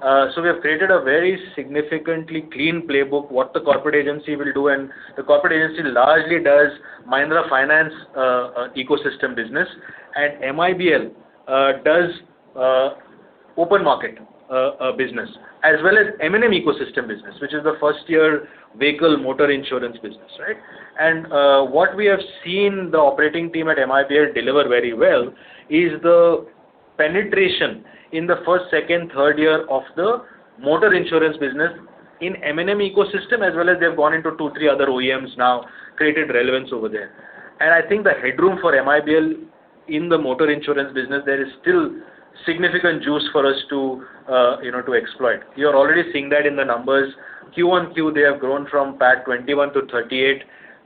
S3: We have created a very significantly clean playbook, what the corporate agency will do, and the corporate agency largely does Mahindra Finance ecosystem business. MIBL does open market business as well as M&M ecosystem business, which is the first-year vehicle motor insurance business. What we have seen the operating team at MIBL deliver very well is the penetration in the first, second, third year of the motor insurance business in M&M ecosystem, as well as they've gone into two, three other OEMs now, created relevance over there. I think the headroom for MIBL in the motor insurance business, there is still significant juice for us to exploit. You're already seeing that in the numbers. Q1, they have grown from PAT 21- 38.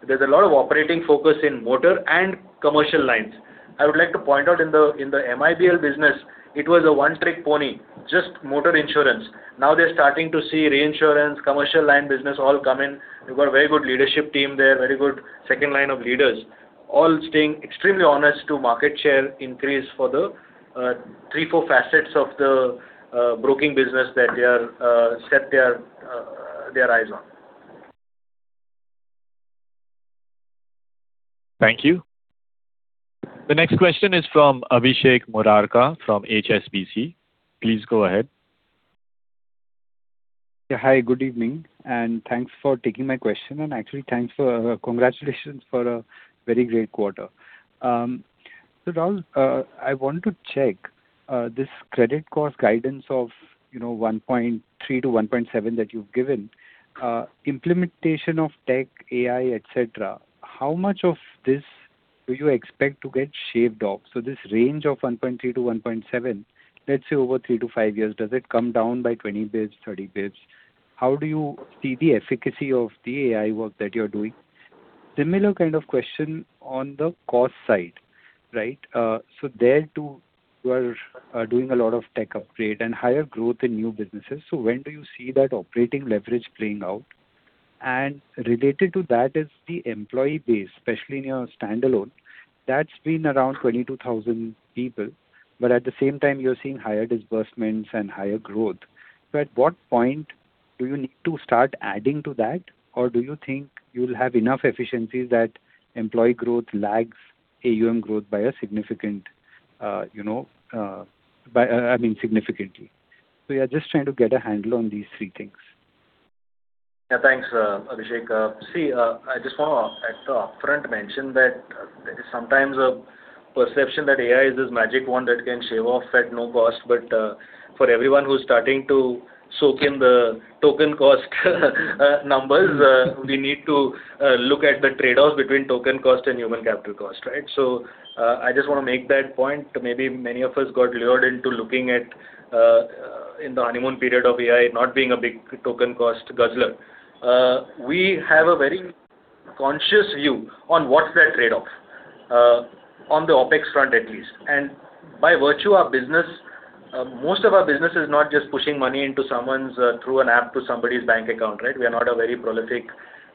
S3: There's a lot of operating focus in motor and commercial lines. I would like to point out in the MIBL business, it was a one-trick pony, just motor insurance. Now they're starting to see reinsurance, commercial line business all come in. We've got a very good leadership team there, very good second line of leaders, all staying extremely honest to market share increase for the three, four facets of the broking business that they set their eyes on.
S1: Thank you. The next question is from Abhishek Murarka from HSBC. Please go ahead.
S11: Hi, good evening, and thanks for taking my question and actually congratulations for a very great quarter. Raul, I want to check, this credit cost guidance of 1.3%-1.7% that you've given. Implementation of tech, AI, et cetera, how much of this do you expect to get shaved off? This range of 1.3%-1.7%, let's say over three to five years, does it come down by 20 basis points, 30 basis points? How do you see the efficacy of the AI work that you're doing? Similar kind of question on the cost side. There too, you are doing a lot of tech upgrade and higher growth in new businesses. When do you see that operating leverage playing out? Related to that is the employee base, especially in your standalone. That's been around 22,000 people. But at the same time, you're seeing higher disbursements and higher growth. At what point do you need to start adding to that? Or do you think you'll have enough efficiencies that employee growth lags AUM growth significantly? Yeah, just trying to get a handle on these three things.
S3: Thanks, Abhishek. I just want to at the upfront mention that there is sometimes a perception that AI is this magic wand that can shave off at no cost. For everyone who's starting to soak in the token cost numbers, we need to look at the trade-offs between token cost and human capital cost. I just want to make that point. Maybe many of us got lured into looking at in the honeymoon period of AI not being a big token cost guzzler. We have a very conscious view on what's that trade-off, on the OpEx front at least. By virtue our business, most of our business is not just pushing money through an app to somebody's bank account. We are not a very prolific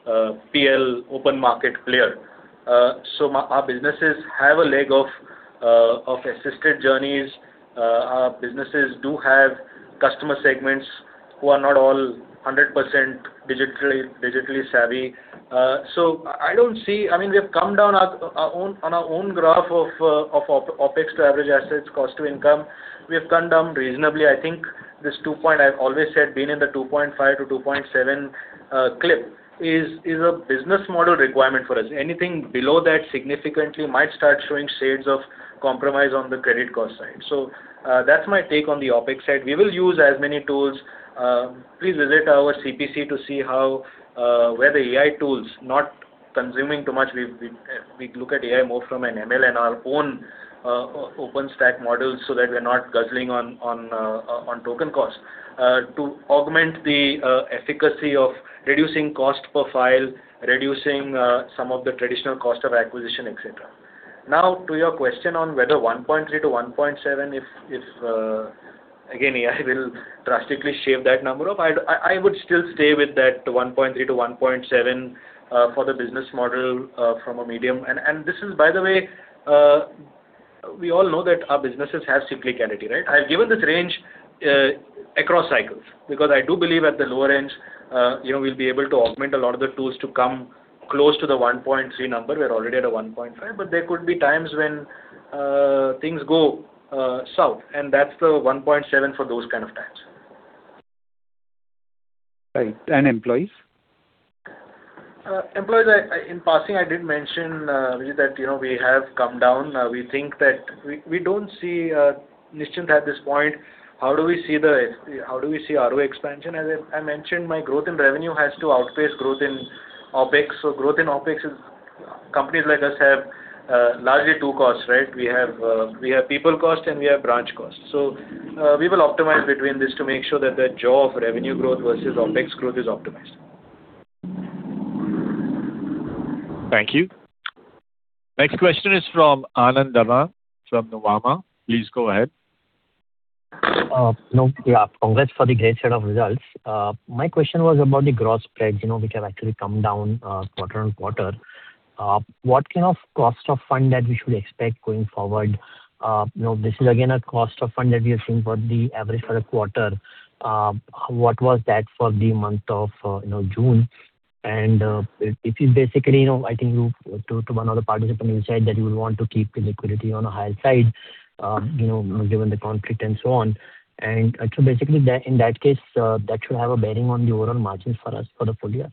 S3: PL open market player. Our businesses have a leg of assisted journeys. Our businesses do have customer segments who are not all 100% digitally savvy. We have come down on our own graph of OpEx to average assets, cost to income. We have come down reasonably. I think this two point, I've always said been in the 2.5%-2.7% clip is a business model requirement for us. Anything below that significantly might start showing shades of compromise on the credit cost side. That's my take on the OpEx side. We will use as many tools. Please visit our CPC to see where the AI tool's not consuming too much. We look at AI more from an ML and our own open stack models so that we're not guzzling on token cost to augment the efficacy of reducing cost per file, reducing some of the traditional cost of acquisition, et cetera. To your question on whether 1.3%-1.7% if again, AI will drastically shave that number off. I would still stay with that 1.3%-1.7% for the business model from a medium. This is by the way, we all know that our businesses have cyclicality, right? I've given this range across cycles because I do believe at the lower end, we'll be able to augment a lot of the tools to come close to the 1.3% number. We're already at a 1.5%, but there could be times when things go south and that's the 1.7% for those kind of times.
S11: Right. Employees?
S3: Employees, in passing I did mention that we have come down. We don't see niche at this point. How do we see ROE expansion? As I mentioned, my growth in revenue has to outpace growth in OpEx. Growth in OpEx is companies like us have largely two costs. We have people cost and we have branch cost. We will optimize between this to make sure that the jaw of revenue growth versus OpEx growth is optimized.
S1: Thank you. Next question is from Anand Dama from Nuvama. Please go ahead.
S12: Congrats for the great set of results. My question was about the gross spreads which have actually come down quarter-on-quarter. What kind of cost of funds that we should expect going forward? This is again a cost of funds that we are seeing for the average for a quarter. What was that for the month of June? If you basically, I think you to one other participant you said that you would want to keep the liquidity on a higher side given the conflict and so on. Basically in that case that should have a bearing on the overall margins for us for the full year.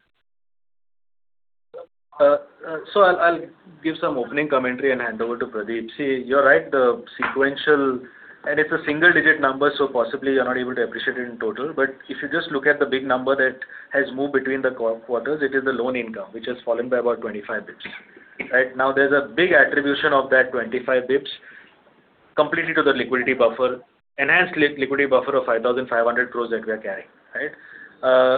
S3: I'll give some opening commentary and hand over to Pradeep. You're right, the sequential and it's a single-digit number, so possibly you're not able to appreciate it in total. If you just look at the big number that has moved between the quarters, it is the loan income which has fallen by about 25 basis points. Right? There's a big attribution of that 25 basis points completely to the liquidity buffer, enhanced liquidity buffer of 5,500 crore that we are carrying. Right?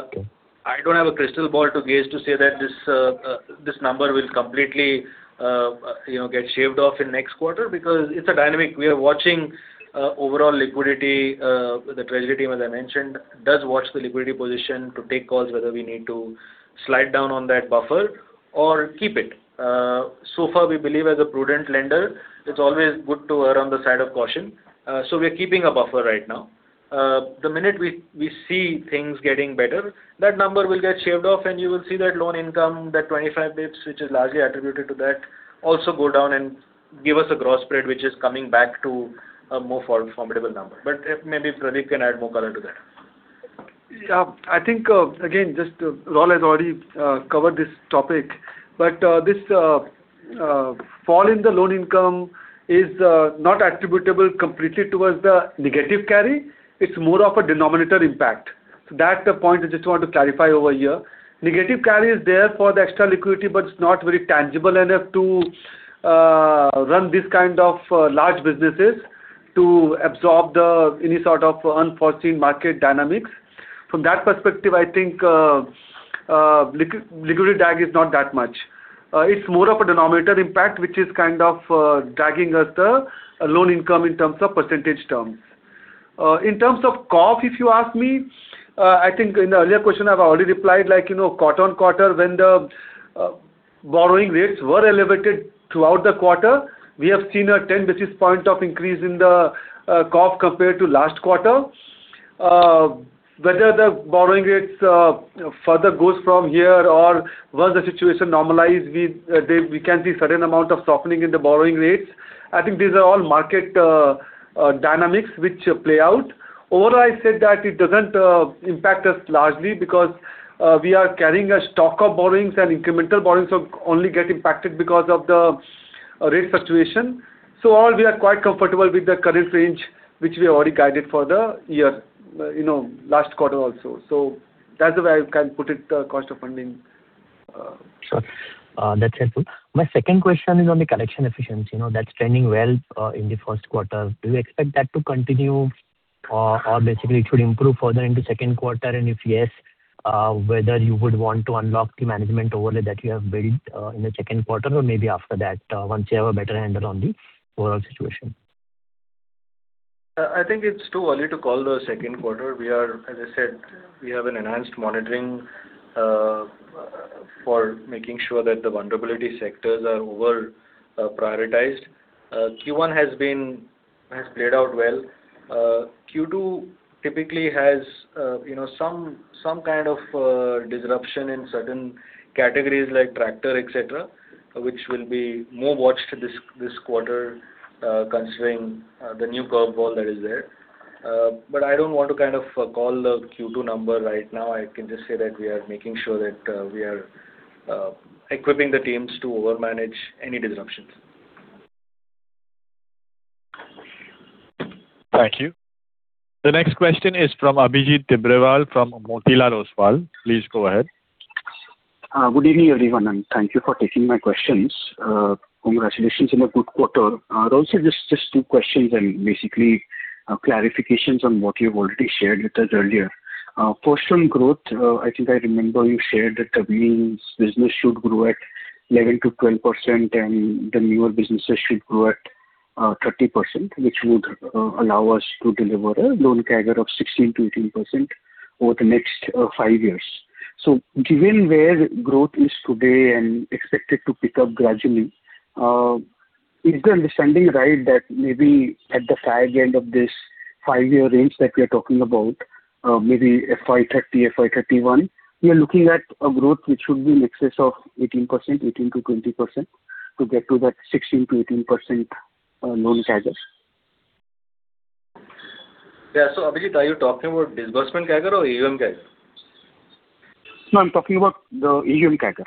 S12: Okay.
S3: I don't have a crystal ball to gaze to say that this number will completely get shaved off in next quarter because it's a dynamic. We are watching overall liquidity. The treasury team, as I mentioned, does watch the liquidity position to take calls whether we need to slide down on that buffer or keep it. Far we believe as a prudent lender, it's always good to err on the side of caution. We're keeping a buffer right now. The minute we see things getting better, that number will get shaved off and you will see that loan income, that 25 basis points, which is largely attributed to that, also go down and give us a gross spread, which is coming back to a more formidable number. Maybe Pradeep can add more color to that.
S7: I think again, Raul has already covered this topic. This fall in the loan income is not attributable completely towards the negative carry. It's more of a denominator impact. That's the point I just want to clarify over here. Negative carry is there for the extra liquidity, but it's not very tangible enough to run this kind of large businesses to absorb any sort of unforeseen market dynamics. From that perspective, I think liquidity drag is not that much. It's more of a denominator impact, which is kind of dragging us the loan income in terms of percentage terms. In terms of CoF if you ask me, I think in the earlier question I've already replied like quarter-on-quarter when the borrowing rates were elevated throughout the quarter. We have seen a 10 basis points of increase in the CoF compared to last quarter. Whether the borrowing rates further go from here or once the situation normalizes, we can see certain amount of softening in the borrowing rates. I think these are all market dynamics which play out. Overall, I said that it doesn't impact us largely because we are carrying a stock of borrowings and incremental borrowings will only get impacted because of the rate situation. Overall, we are quite comfortable with the current range, which we already guided for the year, last quarter also. That's the way I can put it, the cost of funding.
S12: Sure. That's helpful. My second question is on the collection efficiency, now that's trending well in the first quarter. Do you expect that to continue or basically it should improve further into second quarter? If yes, whether you would want to unlock the management overlay that you have built in the second quarter or maybe after that, once you have a better handle on the overall situation?
S3: I think it's too early to call the second quarter. As I said, we have an enhanced monitoring for making sure that the vulnerability sectors are over-prioritized. Q1 has played out well. Q2 typically has some kind of disruption in certain categories like tractor, et cetera, which will be more watched this quarter, considering the new curveball that is there. I don't want to call the Q2 number right now. I can just say that we are making sure that we are equipping the teams to overmanage any disruptions.
S1: Thank you. The next question is from Abhijit Tibrewal from Motilal Oswal. Please go ahead.
S13: Good evening, everyone, and thank you for taking my questions. Congratulations on a good quarter. Just two questions and basically clarifications on what you've already shared with us earlier. First, on growth, I think I remember you shared that the wheels business should grow at 11%-12% and the newer businesses should grow at 30%, which would allow us to deliver a loan CAGR of 16%-18% over the next five years. Given where growth is today and expected to pick up gradually, is the understanding right that maybe at the far end of this five-year range that we're talking about, maybe FY 2030, FY 2031, we are looking at a growth which should be in excess of 18%, 18%-20% to get to that 16%-18% loan CAGR?
S3: Yeah. Abhijit, are you talking about disbursement CAGR or AUM CAGR?
S13: No, I'm talking about the AUM CAGR.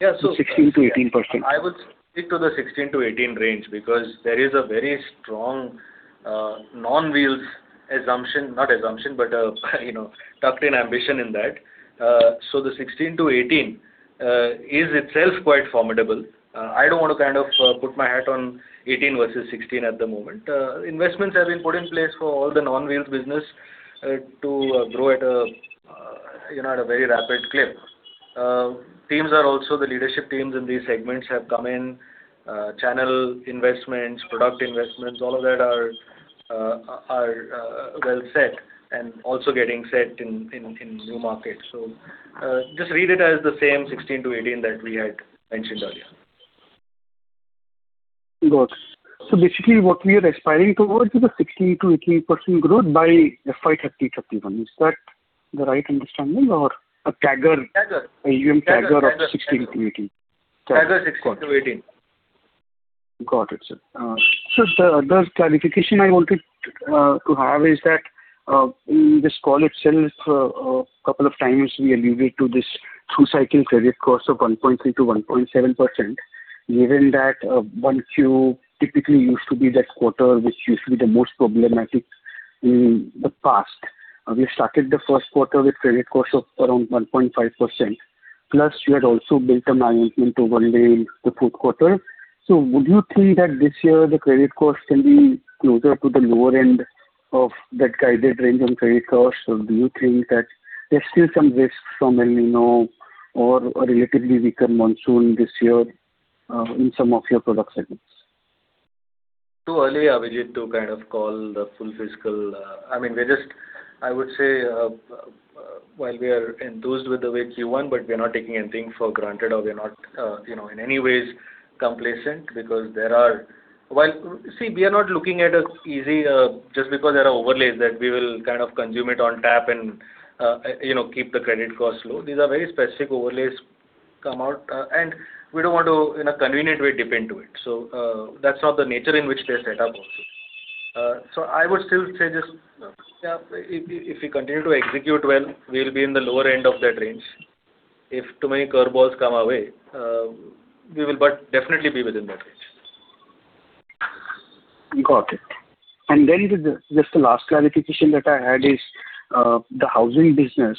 S3: Yeah.
S13: 16%-18%.
S3: I would stick to the 16%-18% range because there is a very strong non-wheels assumption, not assumption, but tucked in ambition in that. The 16%-18% is itself quite formidable. I don't want to put my hat on 18% versus 16% at the moment. Investments have been put in place for all the non-wheels business to grow at a very rapid clip. The leadership teams in these segments have come in. Channel investments, product investments, all of that are well set and also getting set in new markets. Just read it as the same 16%-18% that we had mentioned earlier.
S13: Got. Basically what we are aspiring towards is a 16%-18% growth by FY 2030, FY 2031. Is that the right understanding or a CAGR?
S3: CAGR.
S13: AUM CAGR of 16%-18%.
S3: CAGR 16%-18%.
S13: Got it. The other clarification I wanted to have is that in this call itself a couple of times we alluded to this full cycle credit cost of 1.3%-1.7%. Given that 1Q typically used to be that quarter which used to be the most problematic in the past. We started the first quarter with credit cost of around 1.5%, plus you had also built a management overlay in the fourth quarter. Would you think that this year the credit cost can be closer to the lower end of that guided range on credit cost or do you think that there's still some risk from El Niño or a relatively weaker monsoon this year in some of your product segments?
S3: Too early, Abhijit, to call the full fiscal. I would say while we are enthused with the way Q1, we are not taking anything for granted or we are not in any ways complacent. We are not looking at it easy just because there are overlays that we will consume it on tap and keep the credit cost low. These are very specific overlays come out and we don't want to in a convenient way dip into it. That's not the nature in which they are set up also. I would still say just if we continue to execute well, we'll be in the lower end of that range. If too many curveballs come our way, we will but definitely be within that range.
S13: Got it. Just the last clarification that I had is the housing business.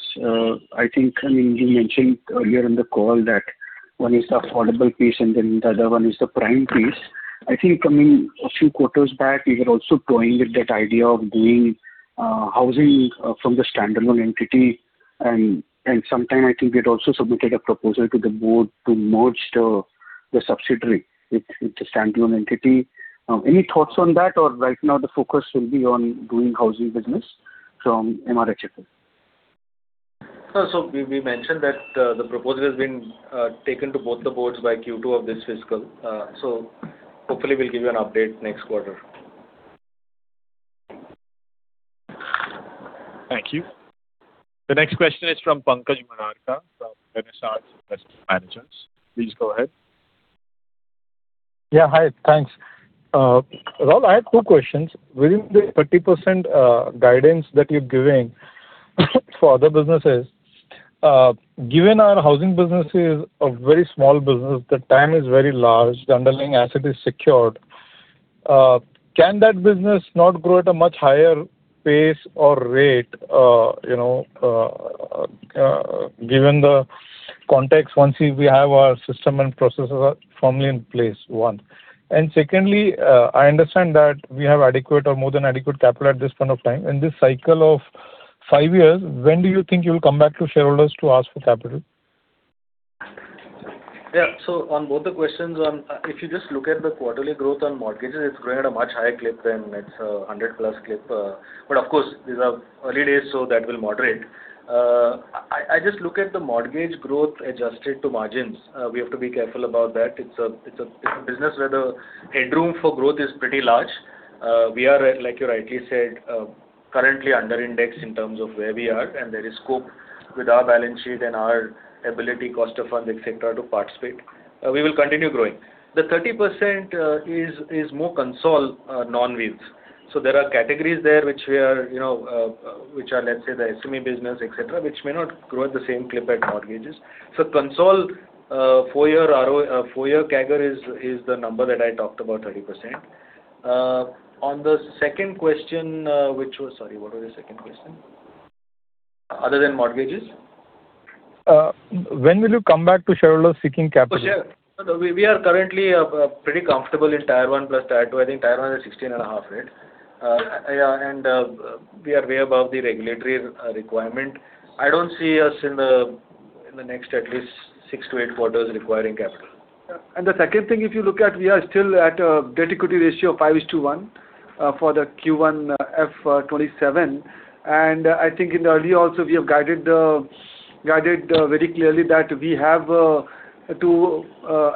S13: I think you mentioned earlier in the call that one is the affordable piece and then the other one is the prime piece. I think coming a few quarters back, you were also toying with that idea of doing housing from the standalone entity and sometime I think we had also submitted a proposal to the Board to merge the subsidiary with the standalone entity. Any thoughts on that or right now the focus will be on doing housing business from MRH only?
S3: No. We mentioned that the proposal has been taken to both the Boards by Q2 of this fiscal. Hopefully we'll give you an update next quarter.
S1: Thank you. The next question is from Pankaj Murarka, from Renaissance Investment Managers. Please go ahead.
S14: Hi, thanks. Raul, I have two questions. Within the 30% guidance that you're giving for other businesses, given our housing business is a very small business, the TAN is very large, the underlying asset is secured. Can that business not grow at a much higher pace or rate, given the context once we have our system and processes are firmly in place? One. Secondly, I understand that we have adequate or more than adequate capital at this point of time. In this cycle of five years, when do you think you will come back to shareholders to ask for capital?
S3: On both the questions, if you just look at the quarterly growth on mortgages, it's growing at a much higher clip than its 100+ clip. Of course, these are early days, so that will moderate. I just look at the mortgage growth adjusted to margins. We have to be careful about that. It's a business where the headroom for growth is pretty large. We are, like you rightly said, currently under indexed in terms of where we are, and there is scope with our balance sheet and our ability cost of funds, et cetera, to participate. We will continue growing. The 30% is more console non-wheels. There are categories there which are, let's say, the SME business, et cetera, which may not grow at the same clip at mortgages. Console four-year CAGR is the number that I talked about, 30%. On the second question, which was, sorry, what was the second question? Other than mortgages?
S14: When will you come back to shareholders seeking capital?
S3: Oh, sure. We are currently pretty comfortable in Tier-1 plus Tier-2. I think Tier-1 is 16.5%, right? We are way above the regulatory requirement. I don't see us in the next at least six to eight quarters requiring capital.
S7: The second thing, if you look at, we are still at a debt-equity ratio of 5:1 for the Q1 FY 2027. I think in the early also, we have guided very clearly that to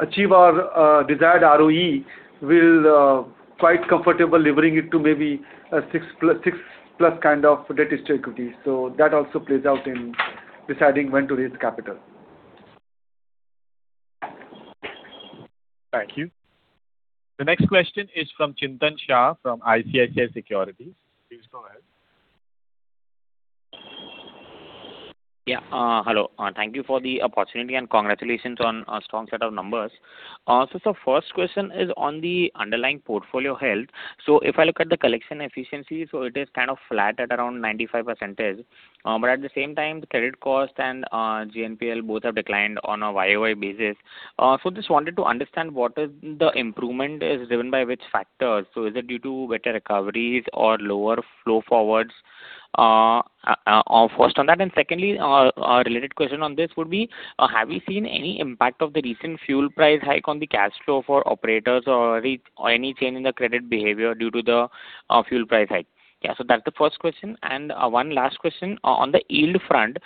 S7: achieve our desired ROE, we're quite comfortable levering it to maybe a 6+ kind of debt-to-equity. That also plays out in deciding when to raise capital.
S1: Thank you. The next question is from Chintan Shah, from ICICI Securities. Please go ahead.
S15: Hello. Thank you for the opportunity, congratulations on a strong set of numbers. The first question is on the underlying portfolio health. If I look at the collection efficiency, it is kind of flat at around 95%. At the same time, the credit cost and GNPL both have declined on a YoY basis. Just wanted to understand what is the improvement is driven by which factors. Is it due to better recoveries or lower flow forwards? First on that, secondly, a related question on this would be, have you seen any impact of the recent fuel price hike on the cash flow for operators or any change in the credit behavior due to the fuel price hike? That's the first question. One last question on the yield front.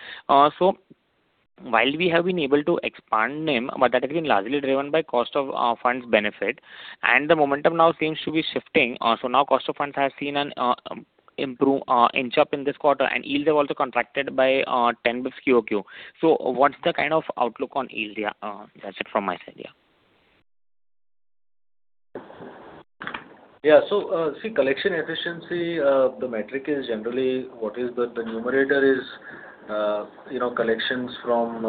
S15: While we have been able to expand NIM, that again, largely driven by cost of funds benefit and the momentum now seems to be shifting. Now cost of funds has seen an inch up in this quarter and yields have also contracted by 10 basis points QoQ. What's the kind of outlook on yield? That's it from my side.
S3: See, collection efficiency, the metric is generally what is the numerator is collections from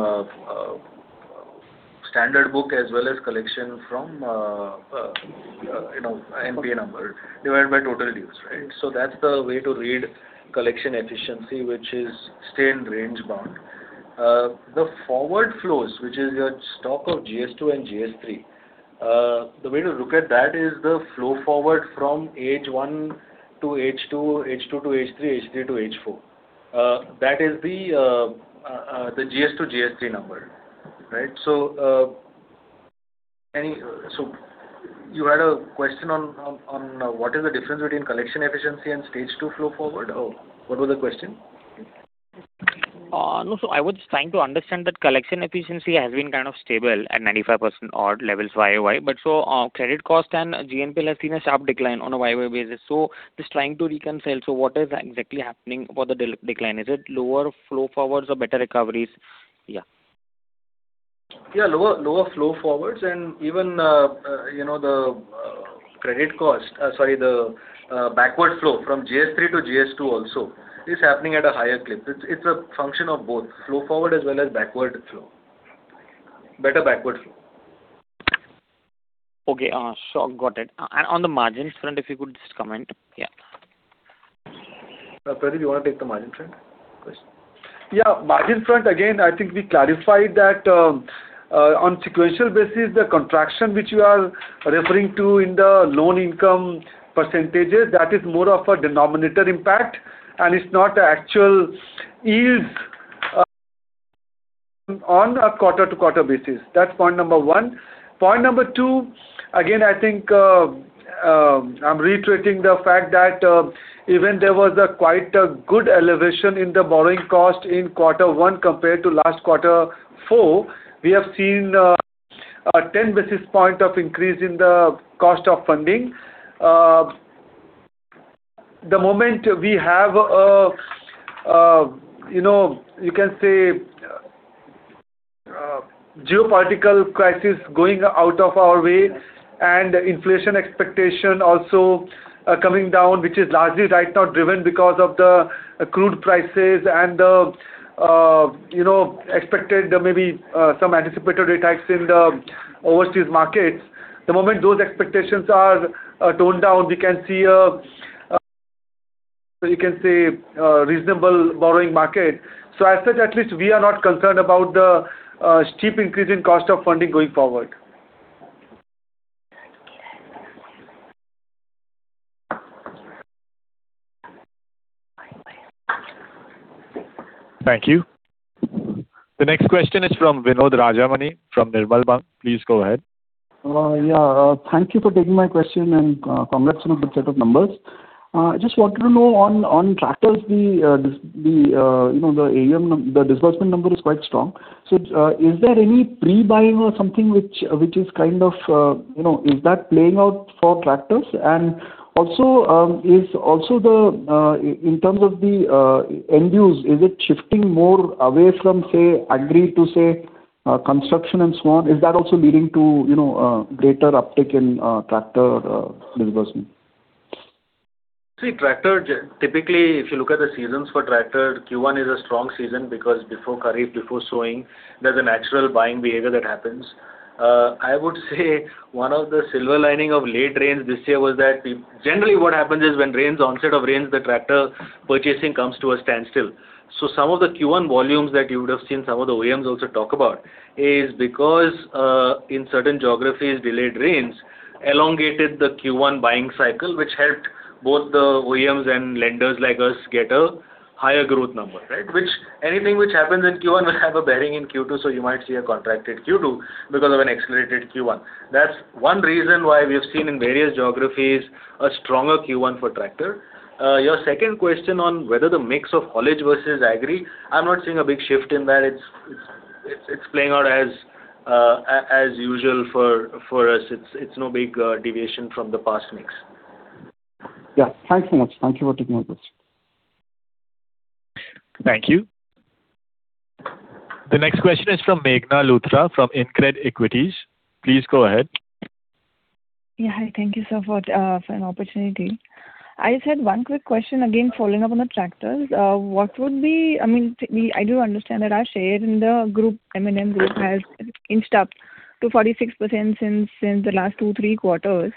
S3: standard book as well as collection from NPA number divided by total deals, right? That's the way to read collection efficiency, which is stay in range bound. The forward flows, which is your stock of GS2 and GS3. The way to look at that is the flow forward from Age 1 to Age 2, Age 2 to Age 3, Age 3 to Age 4. That is the GS2, GS3 number. Right. You had a question on what is the difference between collection efficiency and Stage 2 flow forward, or what was the question?
S15: No. I was trying to understand that collection efficiency has been kind of stable at 95% odd levels YoY, our credit cost and GNPL has seen a sharp decline on a YoY basis. Just trying to reconcile. What is exactly happening about the decline? Is it lower flow forwards or better recoveries?
S3: Lower flow forwards and even the backward flow from GS3 to GS2 also is happening at a higher clip. It's a function of both flow forward as well as backward flow. Better backward flow.
S15: Okay. Sure. Got it. On the margins front, if you could just comment. Yeah.
S3: Pradeep, you want to take the margin front question?
S7: Margin front, again, I think we clarified that on sequential basis, the contraction which you are referring to in the loan income percentage, that is more of a denominator impact, and it's not the actual yields on a quarter-to-quarter basis. That's point number one. Point number two, again, I think I'm reiterating the fact that even there was quite a good elevation in the borrowing cost in quarter one compared to last quarter four, we have seen 10 basis points of increase in the cost of funding. The moment we have, you can say, geopolitical crisis going out of our way and inflation expectation also coming down, which is largely right now driven because of the crude prices and the expected, maybe some anticipated rate hikes in the overseas markets. The moment those expectations are toned down, we can see a, you can say, reasonable borrowing market. As such, at least we are not concerned about the steep increase in cost of funding going forward.
S1: Thank you. The next question is from Vinod Rajamani from Nirmal Bang. Please go ahead.
S16: Yeah. Thank you for taking my question and congrats on the set of numbers. I just wanted to know on tractors, the disbursement number is quite strong. Is there any pre-buying or something? Is that playing out for tractors? Also, in terms of the end use, is it shifting more away from, say, agri to, say, construction and so on? Is that also leading to greater uptake in tractor disbursement?
S3: Tractor, typically, if you look at the seasons for tractor, Q1 is a strong season because before kharif, before sowing, there's a natural buying behavior that happens. I would say one of the silver lining of late rains this year was that generally what happens is when onset of rains, the tractor purchasing comes to a standstill. Some of the Q1 volumes that you would have seen some of the OEMs also talk about is because, in certain geographies, delayed rains elongated the Q1 buying cycle, which helped both the OEMs and lenders like us get a higher growth number. Anything which happens in Q1 will have a bearing in Q2, you might see a contracted Q2 because of an accelerated Q1. That's one reason why we have seen in various geographies a stronger Q1 for tractor. Your second question on whether the mix of haulage versus agri, I'm not seeing a big shift in that. It's playing out as usual for us. It's no big deviation from the past mix.
S16: Yeah. Thanks so much. Thank you for taking my question.
S1: Thank you. The next question is from Meghna Luthra from InCred Equities. Please go ahead.
S17: Yeah. Hi. Thank you so much for an opportunity. I just had one quick question, again, following up on the tractors. I do understand that our share in the M&M group has inched up to 46% since the last two, three quarters.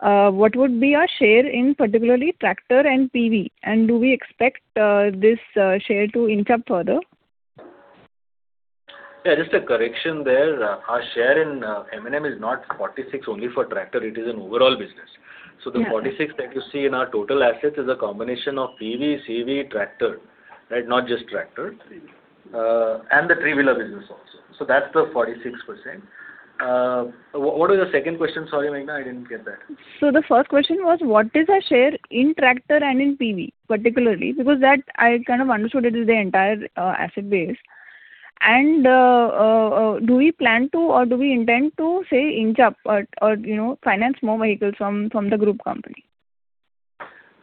S17: What would be our share in particularly tractor and PV? Do we expect this share to inch up further?
S3: Yeah, just a correction there. Our share in M&M is not 46% only for tractor. It is an overall business.
S17: Yeah.
S3: The 46% that you see in our total assets is a combination of PV, CV, tractor. Not just tractor. The three-wheeler business also. That's the 46%. What was your second question? Sorry, Meghna, I didn't get that.
S17: The first question was what is our share in tractor and in PV particularly? Because that I kind of understood it is the entire asset base. Do we plan to, or do we intend to, say, inch up or finance more vehicles from the group company?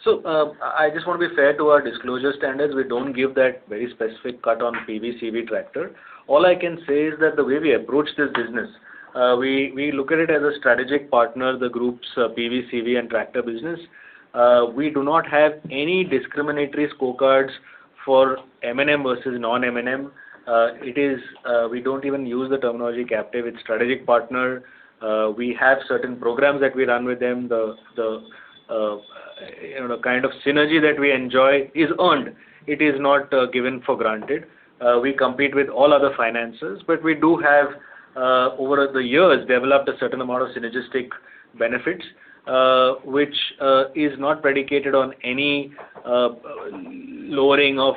S3: I just want to be fair to our disclosure standards. We don't give that very specific cut on PV, CV, tractor. All I can say is that the way we approach this business, we look at it as a strategic partner, the group's PV, CV and tractor business. We do not have any discriminatory scorecards for M&M versus non-M&M. We don't even use the terminology captive. It's strategic partner. We have certain programs that we run with them. The kind of synergy that we enjoy is earned. It is not given for granted. We compete with all other financiers, but we do have, over the years, developed a certain amount of synergistic benefits, which is not predicated on any lowering of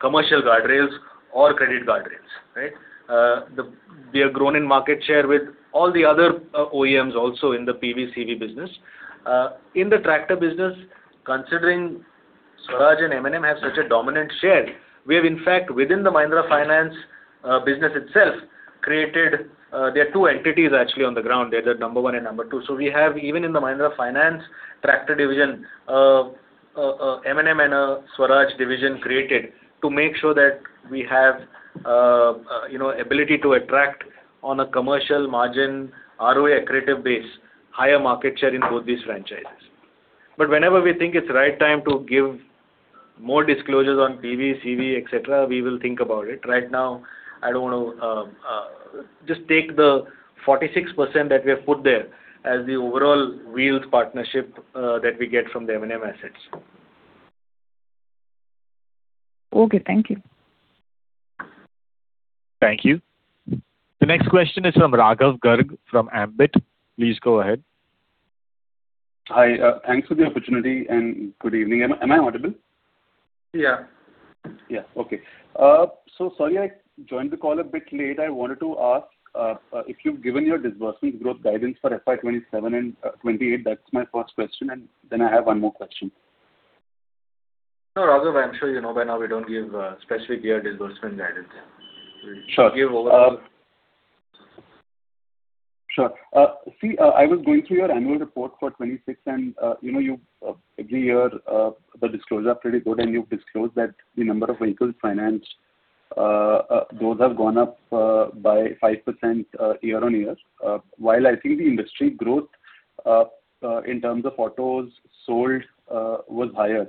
S3: commercial guardrails or credit guardrails. We have grown in market share with all the other OEMs also in the PV, CV business. In the tractor business, considering Swaraj and M&M have such a dominant share, we have in fact, within the Mahindra Finance business itself, there are two entities actually on the ground. They're the number one and number two. We have, even in the Mahindra Finance tractor division, M&M and a Swaraj division created to make sure that we have ability to attract on a commercial margin ROA accretive base, higher market share in both these franchises. Whenever we think it's right time to give more disclosures on PV, CV, et cetera, we will think about it. Right now, just take the 46% that we have put there as the overall wheeled partnership that we get from the M&M assets.
S17: Okay. Thank you.
S1: Thank you. The next question is from Raghav Garg from Ambit. Please go ahead.
S18: Hi. Thanks for the opportunity and good evening. Am I audible?
S3: Yeah.
S18: Yeah. Okay. Sorry I joined the call a bit late. I wanted to ask if you've given your disbursement growth guidance for FY 2027 and 2028. That's my first question and then I have one more question.
S3: No, Raghav, I'm sure you know by now we don't give specific gear disbursement guidance.
S18: Sure. I was going through your annual report for 2026 and every year the disclosures are pretty good, and you've disclosed that the number of vehicles financed, those have gone up by 5% year-on-year, while I think the industry growth in terms of autos sold was higher.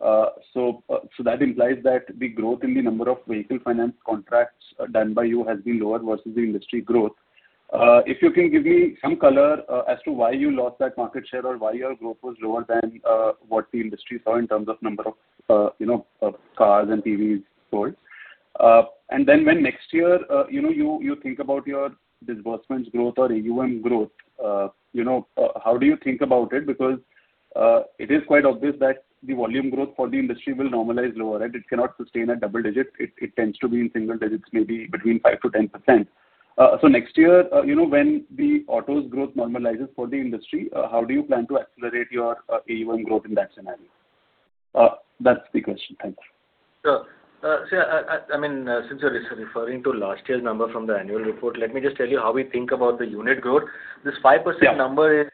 S18: That implies that the growth in the number of vehicle finance contracts done by you has been lower versus the industry growth. If you can give me some color as to why you lost that market share or why your growth was lower than what the industry saw in terms of number of cars and PVs sold. When next year, you think about your disbursements growth or AUM growth, how do you think about it? It is quite obvious that the volume growth for the industry will normalize lower. It cannot sustain a double-digit. It tends to be in single-digits, maybe between 5%-10%. Next year, when the autos growth normalizes for the industry, how do you plan to accelerate your AUM growth in that scenario? That's the question. Thanks.
S3: Sure. Since you're referring to last year's number from the annual report, let me just tell you how we think about the unit growth. This 5% number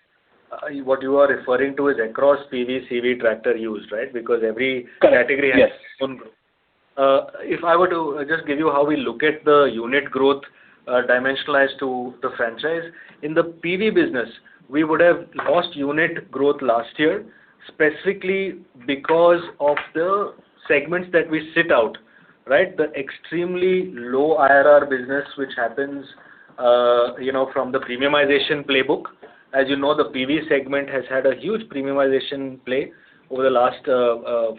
S3: what you are referring to is across PV, CV, tractor, used, right?
S18: Correct. Yes.
S3: Category has its own growth. If I were to just give you how we look at the unit growth dimensionalized to the franchise. In the PV business, we would have lost unit growth last year, specifically because of the segments that we sit out. The extremely low IRR business, which happens from the premiumization playbook. As you know, the PV segment has had a huge premiumization play over the last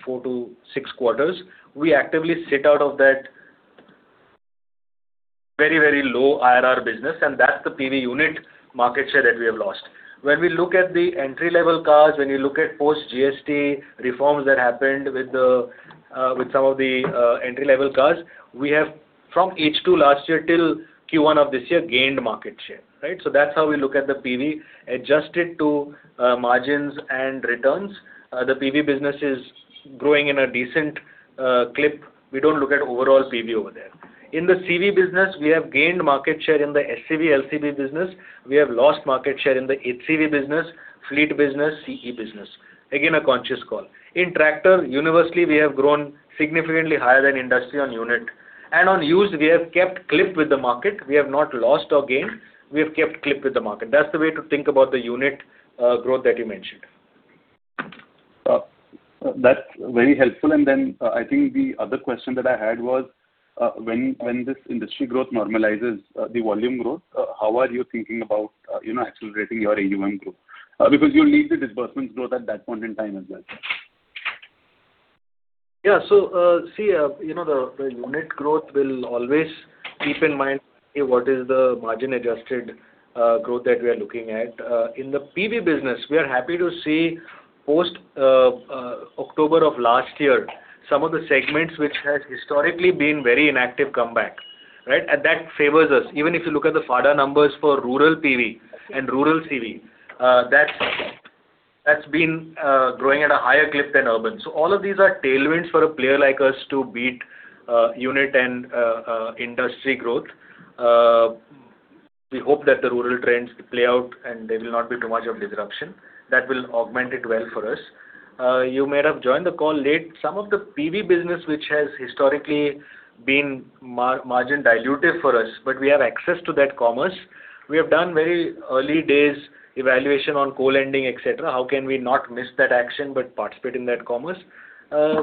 S3: four to six quarters. We actively sit out of that very low IRR business, and that's the PV unit market share that we have lost. When we look at the entry-level cars, when you look at post-GST reforms that happened with some of the entry-level cars, we have from H2 last year till Q1 of this year gained market share. That's how we look at the PV. Adjusted to margins and returns, the PV business is growing in a decent clip. We don't look at overall PV over there. In the CV business, we have gained market share in the SCV, LCV business. We have lost market share in the HCV business, fleet business, CE business. Again, a conscious call. In tractor, universally, we have grown significantly higher than industry on unit. On used, we have kept clip with the market. We have not lost or gained. We have kept clip with the market. That's the way to think about the unit growth that you mentioned.
S18: That's very helpful. Then, I think the other question that I had was, when this industry growth normalizes the volume growth, how are you thinking about accelerating your AUM growth? Because you'll need the disbursements growth at that point in time as well.
S3: Yeah. The unit growth will always keep in mind, what is the margin-adjusted growth that we are looking at. In the PV business, we are happy to see post-October of last year, some of the segments which has historically been very inactive come back. That favors us. Even if you look at the FADA numbers for rural PV and rural CV, that's been growing at a higher clip than urban. All of these are tailwinds for a player like us to beat unit and industry growth. We hope that the rural trends play out and there will not be too much of disruption. That will augment it well for us. You may have joined the call late. Some of the PV business, which has historically been margin dilutive for us, but we have access to that commerce. We have done very early days evaluation on co-lending, et cetera. How can we not miss that action but participate in that commerce?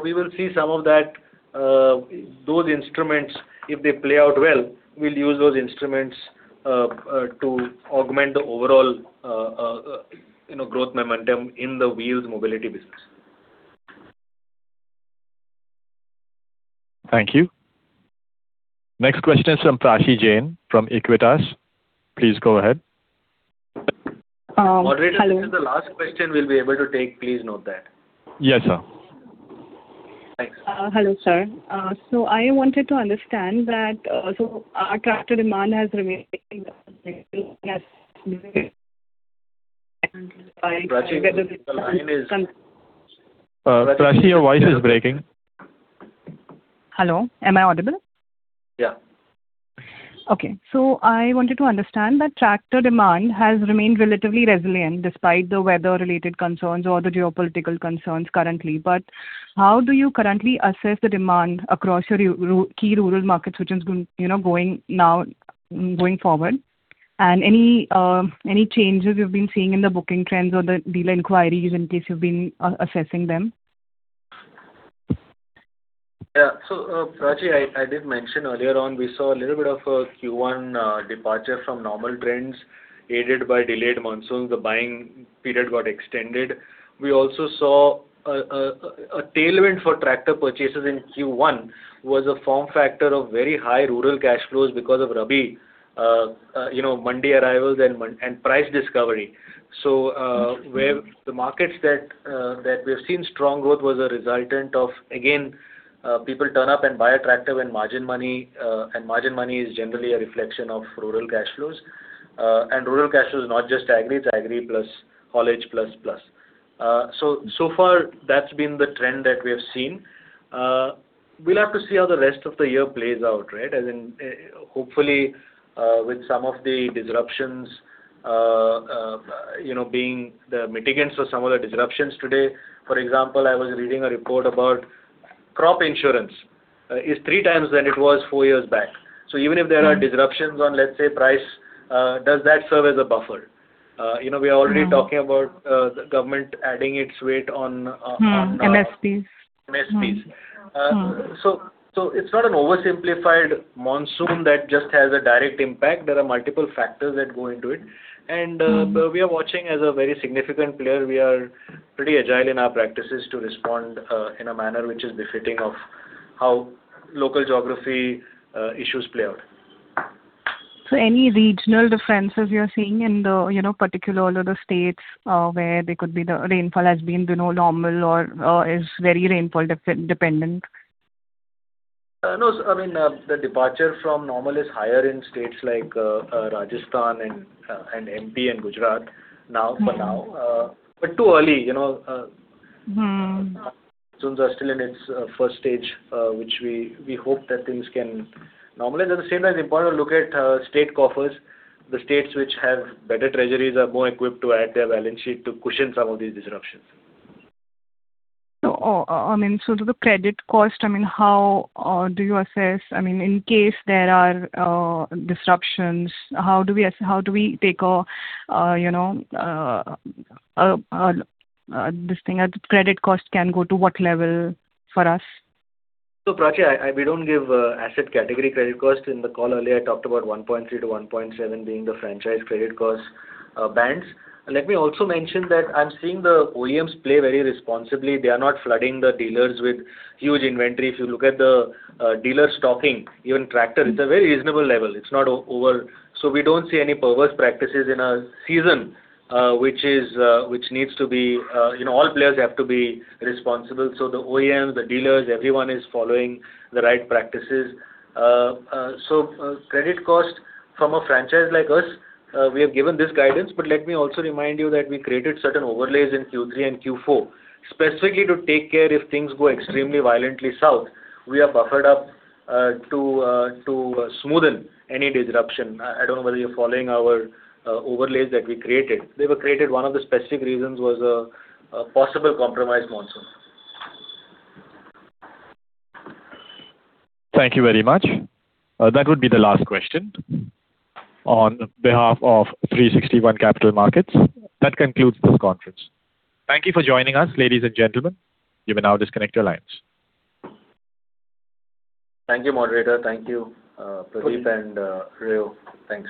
S3: We will see some of those instruments, if they play out well, we'll use those instruments to augment the overall growth momentum in the wheels mobility business.
S1: Thank you. Next question is from Prachi Jain from Equitas. Please go ahead.
S3: Moderator, this is the last question we'll be able to take. Please note that.
S1: Yes, sir.
S3: Thanks.
S19: Hello, sir. I wanted to understand that tractor demand has remained-
S3: Prachi, the line.
S1: Prachi, your voice is breaking.
S19: Hello. Am I audible?
S3: Yeah.
S19: I wanted to understand that tractor demand has remained relatively resilient despite the weather-related concerns or the geopolitical concerns currently. How do you currently assess the demand across your key rural markets, which is going forward? Any changes you've been seeing in the booking trends or the dealer inquiries in case you've been assessing them?
S3: Yeah. Prachi, I did mention earlier on, we saw a little bit of a Q1 departure from normal trends, aided by delayed monsoon. The buying period got extended. We also saw a tailwind for tractor purchases in Q1 was a form factor of very high rural cash flows because of rabi, mandi arrivals and price discovery. Where the markets that we have seen strong growth was a resultant of, again, people turn up and buy a tractor when margin money, and margin money is generally a reflection of rural cash flows. Rural cash flow is not just agri, it's agri plus Haulage Plus plus. Far that's been the trend that we have seen. We'll have to see how the rest of the year plays out. As in, hopefully, with some of the mitigants of some of the disruptions today. For example, I was reading a report about crop insurance. It's three times than it was four years back. Even if there are disruptions on, let's say, price, does that serve as a buffer? We are already talking about the government adding its weight on
S19: MSPs
S3: MSPs. It's not an oversimplified monsoon that just has a direct impact. There are multiple factors that go into it. We are watching as a very significant player. We are pretty agile in our practices to respond in a manner which is befitting of how local geography issues play out.
S19: Any regional differences you're seeing in the particular states where rainfall has been normal or is very rainfall dependent?
S3: No, the departure from normal is higher in states like Rajasthan and MP and Gujarat for now. Too early. Monsoons are still in its first stage, which we hope that things can normalize. At the same time, it's important to look at state coffers. The states which have better treasuries are more equipped to add their balance sheet to cushion some of these disruptions.
S19: To the credit cost, how do you assess, in case there are disruptions, how do we take a, this thing. Credit cost can go to what level for us?
S3: Prachi, we don't give asset category credit cost. In the call earlier, I talked about 1.3%-1.7% being the franchise credit cost bands. Let me also mention that I'm seeing the OEMs play very responsibly. They are not flooding the dealers with huge inventory. If you look at the dealer stocking, even tractor, it's a very reasonable level. It's not over. We don't see any perverse practices in a season. All players have to be responsible. The OEMs, the dealers, everyone is following the right practices. Credit cost from a franchise like us, we have given this guidance, but let me also remind you that we created certain overlays in Q3 and Q4 specifically to take care if things go extremely violently south. We are buffered up to smoothen any disruption. I don't know whether you're following our overlays that we created. They were created, one of the specific reasons was a possible compromised monsoon.
S1: Thank you very much. That would be the last question. On behalf of 360 ONE Capital Markets, that concludes this conference. Thank you for joining us, ladies and gentlemen. You may now disconnect your lines.
S3: Thank you, moderator. Thank you, Pradeep and [Rihu]. Thanks.